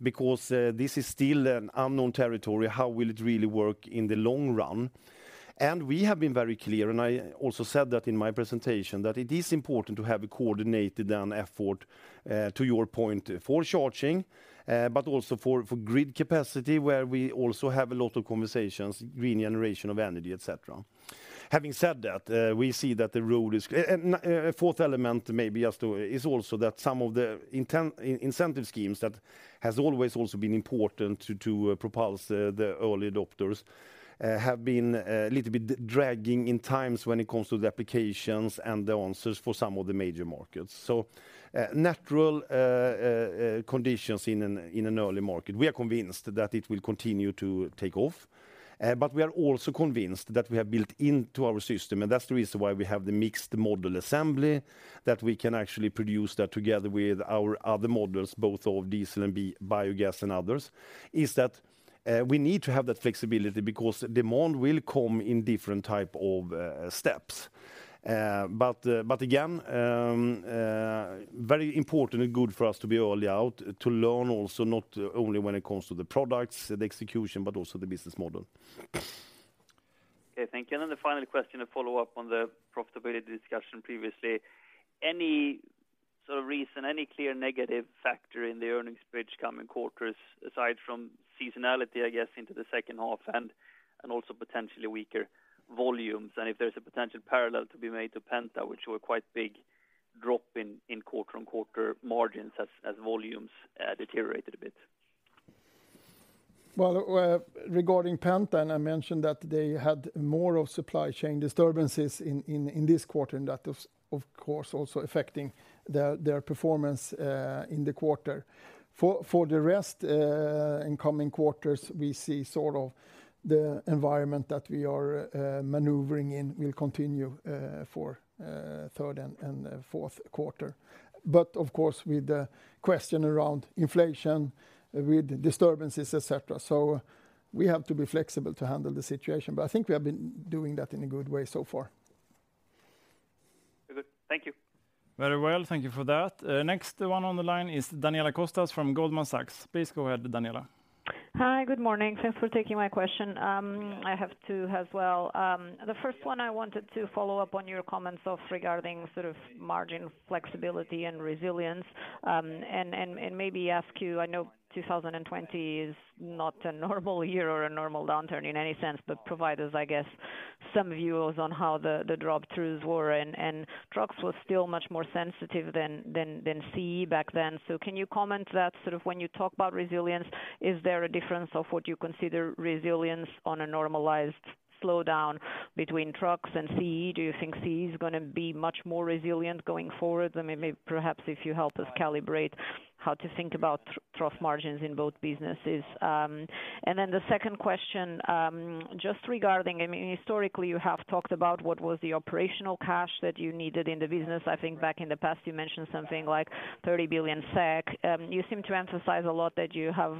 D: because this is still an unknown territory. How will it really work in the long run? We have been very clear, and I also said that in my presentation, that it is important to have a coordinated effort to your point, for charging, but also for grid capacity, where we also have a lot of conversations, green generation of energy, et cetera. Having said that, we see that the road is. A fourth element, maybe just to, is also that some of the incentive schemes that has always also been important to propose the early adopters have been a little bit dragging in times when it comes to the applications and the answers for some of the major markets. Natural conditions in an early market. We are convinced that it will continue to take off, but we are also convinced that we have built into our system, and that's the reason why we have the mixed model assembly, that we can actually produce that together with our other models, both of diesel and biogas and others, is that, we need to have that flexibility because demand will come in different type of steps. But again, very important and good for us to be early out, to learn also, not only when it comes to the products and execution, but also the business model.
G: Okay, thank you. The final question, a follow-up on the profitability discussion previously. Any sort of reason, any clear negative factor in the earnings bridge coming quarters, aside from seasonality, I guess, into the second half and also potentially weaker volumes? If there's a potential parallel to be made to Penta, which were quite big, drop in quarter-on-quarter margins as volumes deteriorated a bit.
B: Well, regarding Penta, I mentioned that they had more of supply chain disturbances in this quarter, and that is, of course, also affecting their performance in the quarter. For the rest, in coming quarters, we see sort of the environment that we are maneuvering in will continue for third and fourth quarter. Of course, with the question around inflation, with disturbances, et cetera, so we have to be flexible to handle the situation, but I think we have been doing that in a good way so far.
G: Good. Thank you.
C: Very well. Thank you for that. Next one on the line is Daniela Costa from Goldman Sachs. Please go ahead, Daniela.
H: Hi, good morning. Thanks for taking my question. I have two as well. The first one, I wanted to follow up on your comments of regarding sort of margin flexibility and resilience, and maybe ask you, I know 2020 is not a normal year or a normal downturn in any sense, but provide us, I guess, some views on how the drop-throughs were, and trucks was still much more sensitive than CE back then. Can you comment that, sort of, when you talk about resilience, is there a difference of what you consider resilience on a normalized slowdown between trucks and CE? Do you think CE is gonna be much more resilient going forward? Maybe, perhaps, if you help us calibrate how to think about trough margins in both businesses. The second question, just regarding, I mean, historically, you have talked about what was the operational cash that you needed in the business. I think back in the past, you mentioned something like 30 billion SEK. You seem to emphasize a lot that you have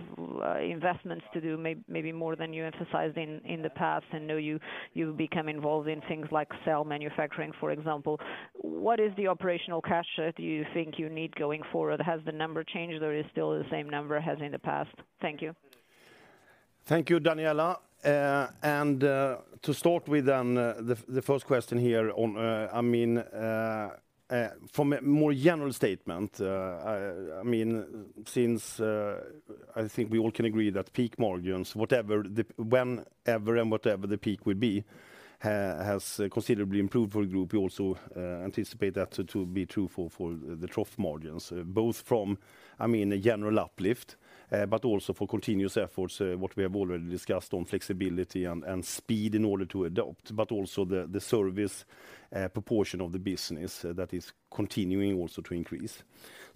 H: investments to do, maybe more than you emphasized in the past, I know you've become involved in things like cell manufacturing, for example. What is the operational cash, do you think you need going forward? Has the number changed, or is it still the same number as in the past? Thank you.
B: Thank you, Daniela. To start with, the first question here on, I mean. From a more general statement, I mean, since I think we all can agree that peak margins, whenever and whatever the peak will be, has considerably improved for the Group. We also anticipate that to be true for the trough margins, both from, I mean, a general uplift, but also for continuous efforts, what we have already discussed on flexibility and speed in order to adopt, but also the service proportion of the business that is continuing also to increase.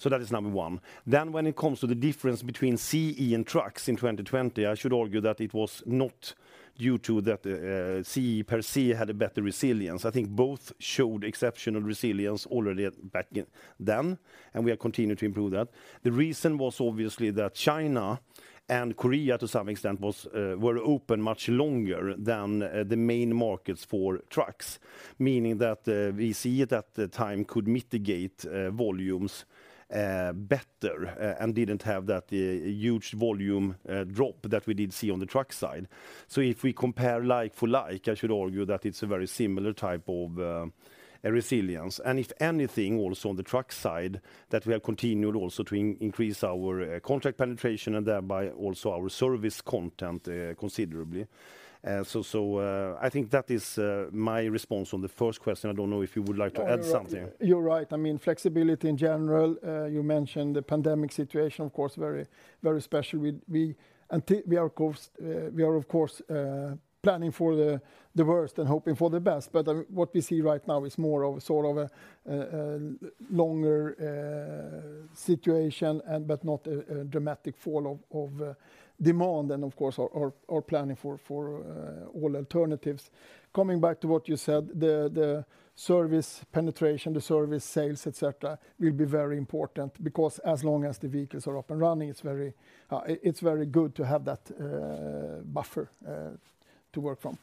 B: That is number 1. When it comes to the difference between CE and trucks in 2020, I should argue that it was not due to that CE per se, had a better resilience. I think both showed exceptional resilience already back then. We are continuing to improve that. The reason was obviously that China and Korea, to some extent, was open much longer than the main markets for trucks, meaning that we see that the time could mitigate volumes better and didn't have that huge volume drop that we did see on the truck side. If we compare like for like, I should argue that it's a very similar type of a resilience, and if anything, also on the truck side, that we have continued also to increase our contract penetration and thereby also our service content considerably. I think that is my response on the first question. I don't know if you would like to add something. You're right. I mean, flexibility in general, you mentioned the pandemic situation, of course, very, very special. We are, of course, planning for the worst and hoping for the best. What we see right now is more of a sort of a longer situation and not a dramatic fall of demand, and of course, are planning for all alternatives. Coming back to what you said, the service penetration, the service sales, et cetera, will be very important because as long as the vehicles are up and running, it's very, it's very good to have that buffer to work from.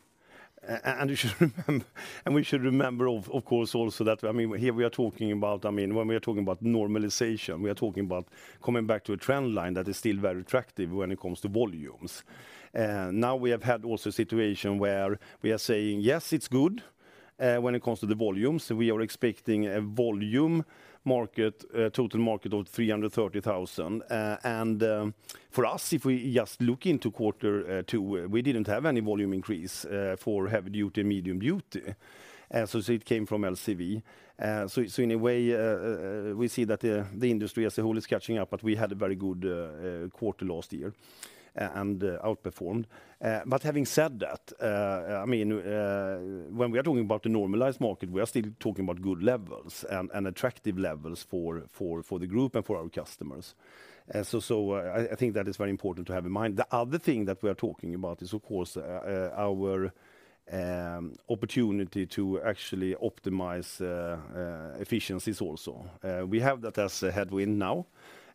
D: We should remember of course also that, I mean, here we are talking about, I mean, when we are talking about normalization, we are talking about coming back to a trend line that is still very attractive when it comes to volumes. Now, we have had also a situation where we are saying, "Yes, it's good," when it comes to the volumes. We are expecting a volume market, total market of 330,000. For us, if we just look into quarter 2, we didn't have any volume increase for heavy-duty and medium-duty, so it came from LCV. In a way, we see that the industry as a whole is catching up, but we had a very good quarter last year, and outperformed. Having said that, I mean, when we are talking about the normalized market, we are still talking about good levels and attractive levels for the Group and for our customers. I think that is very important to have in mind. The other thing that we are talking about is, of course, our opportunity to actually optimize efficiencies also. We have that as a headwind now.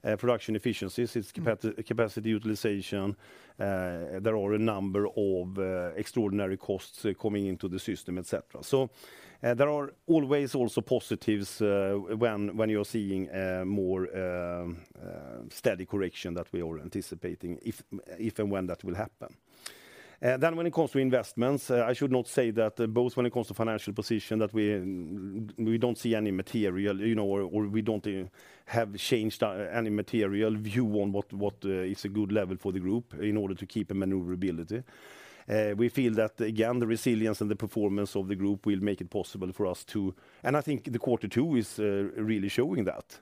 D: Production efficiencies, it's capacity utilization, there are a number of extraordinary costs coming into the system, et cetera. There are always also positives when you're seeing more steady correction that we are anticipating, if and when that will happen. When it comes to investments, I should not say that both when it comes to financial position, that we don't see any material, you know, or we don't have changed any material view on what is a good level for the group in order to keep a maneuverability. We feel that, again, the resilience and the performance of the group will make it possible for us to. I think the quarter two is really showing that.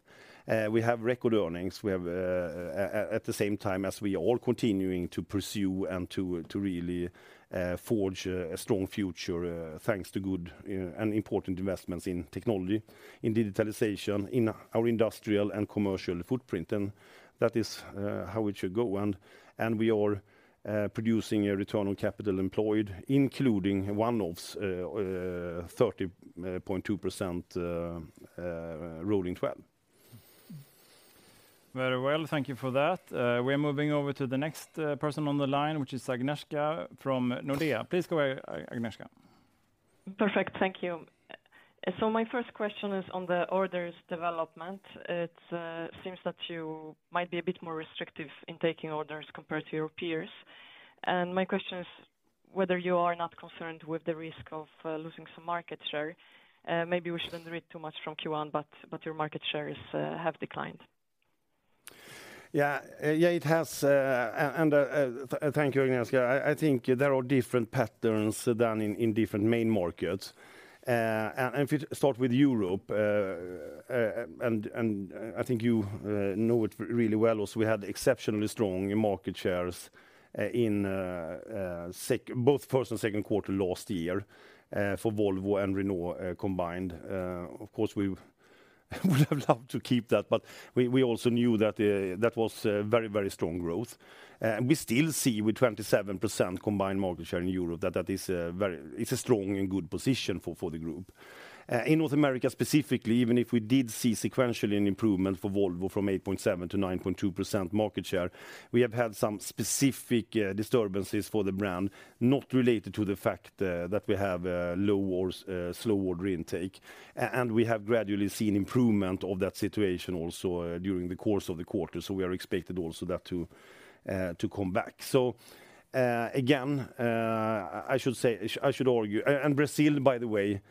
D: We have record earnings. We have at the same time, as we are all continuing to pursue and to really forge a strong future thanks to good and important investments in technology, in digitalization, in our industrial and commercial footprint, and that is how it should go. We are producing a return on capital employed, including one-offs, 30.2%, rolling twelve.
C: Very well. Thank you for that. We're moving over to the next, person on the line, which is Agnieszka from Nordea. Please go ahead, Agnieszka.
I: Perfect. Thank you. My first question is on the orders development. It seems that you might be a bit more restrictive in taking orders compared to your peers, and my question is whether you are not concerned with the risk of losing some market share? Maybe we shouldn't read too much from Q1, but your market shares have declined.
D: Yeah. Yeah, it has, and thank you, Agnieszka. I think there are different patterns than in different main markets. If you start with Europe, and I think you know it really well, so we had exceptionally strong market shares in both first and second quarter last year for Volvo and Renault combined. Of course, we would have loved to keep that, but we also knew that that was a very strong growth. We still see with 27% combined market share in Europe, that that is a strong and good position for the group. In North America, specifically, even if we did see sequentially an improvement for Volvo from 8.7 to 9.2% market share, we have had some specific disturbances for the brand, not related to the fact that we have a low or slow order intake, and we have gradually seen improvement of that situation also during the course of the quarter. We are expected also that to come back. Again, I should say. Brazil, by the way,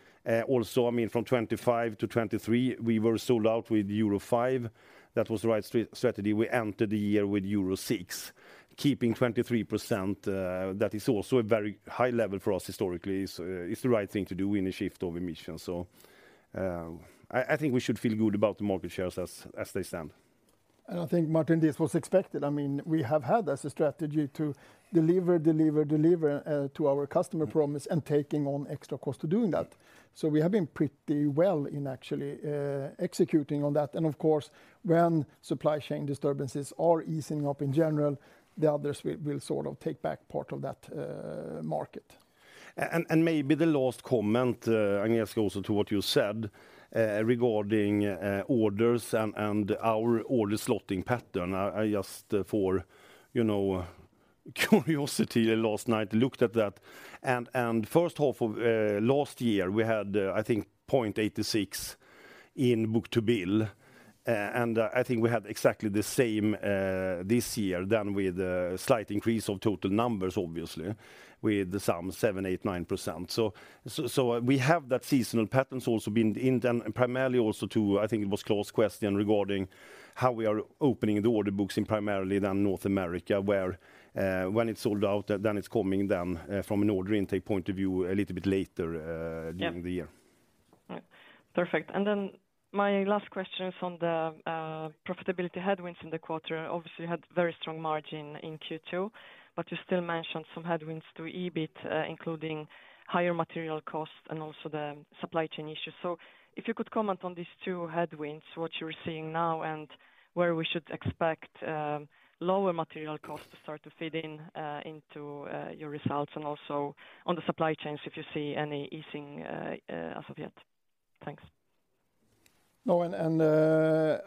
D: also, I mean, from 25 to 23, we were sold out with Euro 5. That was the right strategy. We entered the year with Euro 6, keeping 23%, that is also a very high level for us historically. It's the right thing to do in a shift of emissions. I think we should feel good about the market shares as they stand.
B: I think, Martin, this was expected. I mean, we have had as a strategy to deliver, deliver, to our customer promise and taking on extra cost to doing that. We have been pretty well in actually, executing on that. Of course, when supply chain disturbances are easing up in general, the others will sort of take back part of that market.
D: Maybe the last comment, and it goes to what you said regarding orders and our order slotting pattern. I just for, you know, curiosity last night, looked at that, and first half of last year, we had, I think, 0.86 in book-to-bill. I think we had exactly the same this year, then with slight increase of total numbers, obviously, with some 7%, 8%, 9%. We have that seasonal patterns also been in them, primarily also to, I think it was Klas question regarding how we are opening the order books in primarily then North America, where, when it's sold out, then it's coming then, from an order intake point of view, a little bit later.
I: Yep.
D: During the year.
I: Right. Perfect. My last question is on the profitability headwinds in the quarter. Obviously, you had very strong margin in Q2, but you still mentioned some headwinds to EBIT, including higher material costs and also the supply chain issues. If you could comment on these two headwinds, what you're seeing now, and where we should expect lower material costs to start to feed in into your results, and also on the supply chains, if you see any easing as of yet? Thanks.
B: No.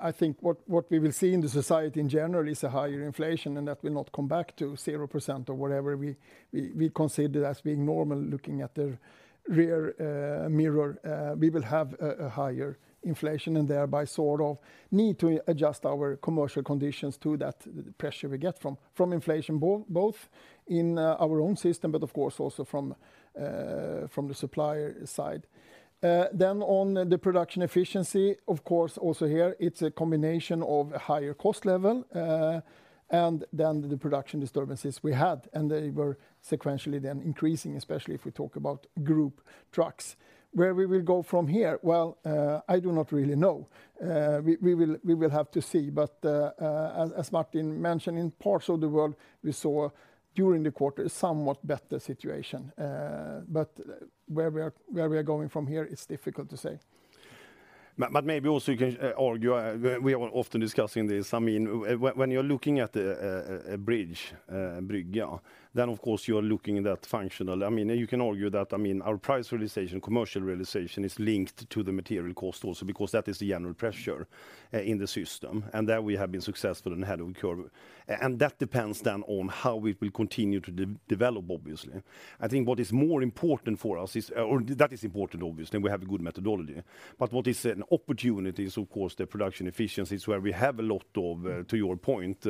B: I think what we will see in the society in general is a higher inflation. That will not come back to 0% or whatever we consider as being normal, looking at the rear mirror. We will have a higher inflation. Thereby sort of need to adjust our commercial conditions to that pressure we get from inflation, both in our own system, but of course, also from the supplier side. On the production efficiency, of course, also here, it's a combination of a higher cost level. The production disturbances we had, and they were sequentially then increasing, especially if we talk about Group Trucks. Where we will go from here? Well, I do not really know. We will have to see. As Martin mentioned, in parts of the world, we saw during the quarter, a somewhat better situation. Where we are going from here, it's difficult to say.
D: Maybe also you can argue. We are often discussing this. I mean, when you're looking at a bridge, brygga, then, of course, you are looking at that functional. I mean, you can argue that, I mean, our price realization, commercial realization, is linked to the material cost also, because that is the general pressure in the system, and there we have been successful and ahead of the curve. That depends then on how we will continue to develop, obviously. I think what is more important for us is, or that is important, obviously, we have a good methodology. What is an opportunity is, of course, the production efficiencies, where we have a lot of, to your point,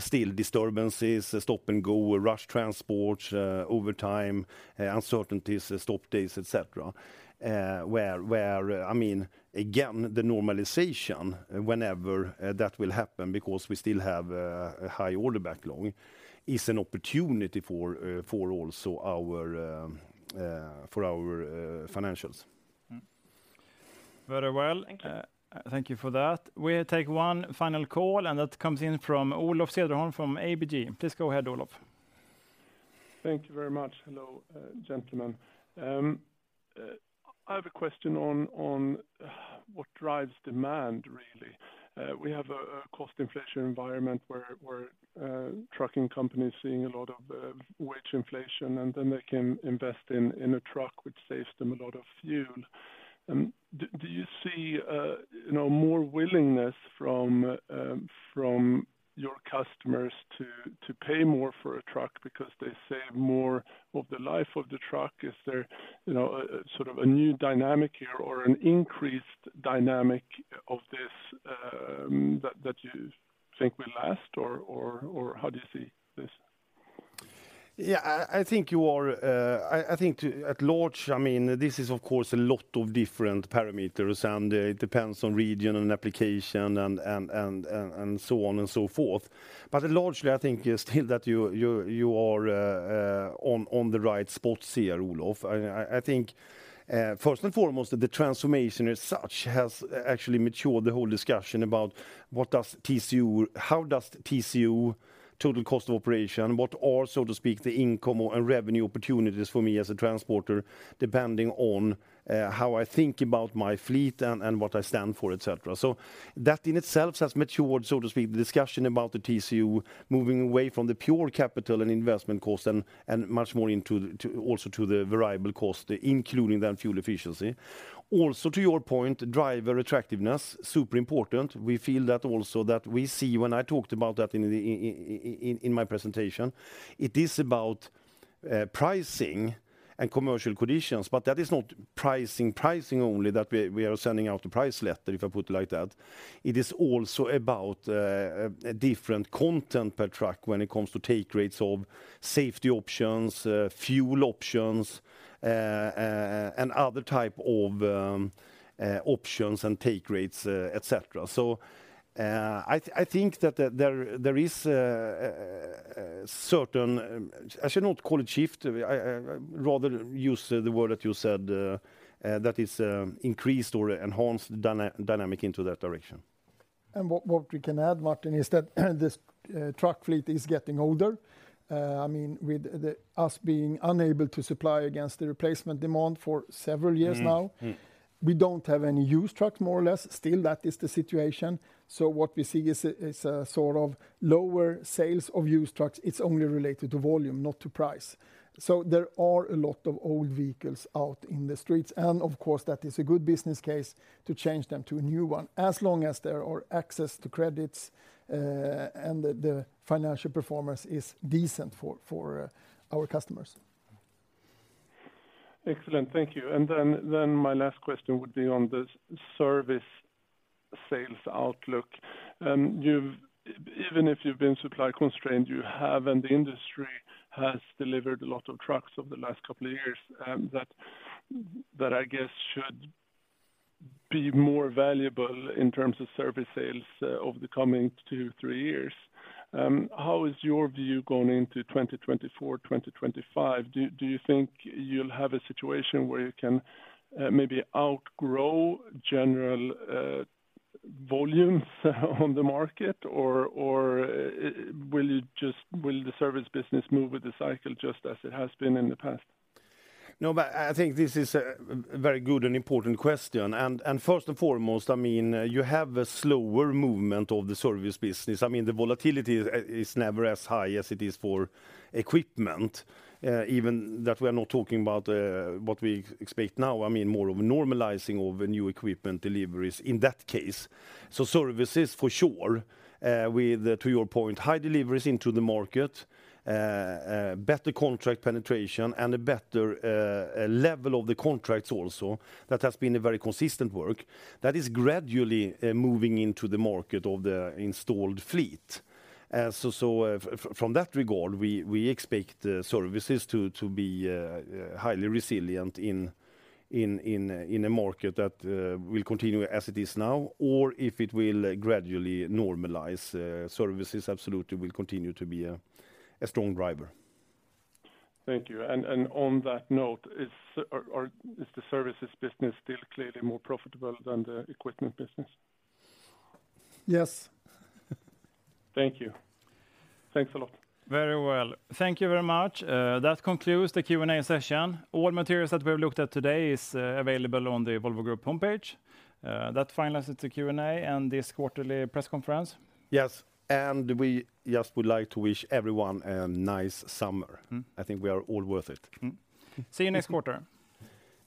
D: still disturbances, stop-and-go, rush transport, overtime, uncertainties, stop days, et cetera. Where, I mean, again, the normalization, whenever that will happen, because we still have a high order backlog, is an opportunity for also our, for our financials.
C: Very well.
I: Thank you.
C: Thank you for that. We take one final call, and that comes in from Olof Cederholm, from ABG. Please go ahead, Olof.
J: Thank you very much. Hello, gentlemen. I have a question on what drives demand, really. We have a cost inflation environment where trucking companies seeing a lot of wage inflation, and then they can invest in a truck, which saves them a lot of fuel. Do you see, you know, more willingness from your customers to pay more for a truck because they save more of the life of the truck? Is there, you know, a sort of a new dynamic here or an increased dynamic of this, that you think will last? How do you see this?
D: Yeah, I think you are. I think at large, I mean, this is, of course, a lot of different parameters, and it depends on region and application and so on and so forth. But largely, I think still, that you are on the right spot here, Olof. I think first and foremost, the transformation as such, has actually matured the whole discussion about how does TCO, total cost of operation, what are, so to speak, the income or revenue opportunities for me as a transporter, depending on how I think about my fleet and what I stand for, et cetera. That in itself has matured, so to speak, the discussion about the TCO moving away from the pure capital and investment cost and much more into also to the variable cost, including the fuel efficiency. To your point, driver attractiveness, super important. We feel that also, that we see when I talked about that in my presentation, it is about pricing and commercial conditions, but that is not pricing only, that we are sending out a price letter, if I put it like that. It is also about a different content per truck when it comes to take rates of safety options, fuel options, and other type of options and take rates, et cetera. I think that there is certain I should not call it shift. I rather use the word that you said, that is increased or enhanced dynamic into that direction.
B: What we can add, Martin, is that this truck fleet is getting older. I mean, with us being unable to supply against the replacement demand for several years now. We don't have any used truck, more or less. Still, that is the situation. What we see is a sort of lower sales of used trucks. It's only related to volume, not to price. There are a lot of old vehicles out in the streets, and of course, that is a good business case to change them to a new one, as long as there are access to credits, and the financial performance is decent for our customers.
H: Excellent. Thank you. Then my last question would be on the service sales outlook. Even if you've been supply constrained, you have, and the industry has delivered a lot of trucks over the last couple of years, that I guess should be more valuable in terms of service sales over the coming 2, 3 years. How is your view going into 2024, 2025? Do you think you'll have a situation where you can maybe outgrow general volumes on the market? Or will the service business move with the cycle, just as it has been in the past? I think this is a very good and important question. First and foremost, I mean, you have a slower movement of the service business. I mean, the volatility is never as high as it is for equipment, even that we are not talking about what we expect now, I mean, more of a normalizing of the new equipment deliveries in that case. Services, for sure, with, to your point, high deliveries into the market, better contract penetration, and a better level of the contracts also. That has been a very consistent work that is gradually moving into the market of the installed fleet. From that regard, we expect services to be highly resilient in, in a, in a market that will continue as it is now or if it will gradually normalize, services absolutely will continue to be a strong driver. Thank you. On that note, is. Is the services business still clearly more profitable than the equipment business?
B: Yes.
H: Thank you. Thanks a lot.
C: Very well. Thank you very much. That concludes the Q&A session. All materials that we have looked at today is available on the Volvo Group homepage. That finalizes the Q&A and this quarterly press conference.
B: Yes, we just would like to wish everyone a nice summer.
D: I think we are all worth it.
C: See you next quarter.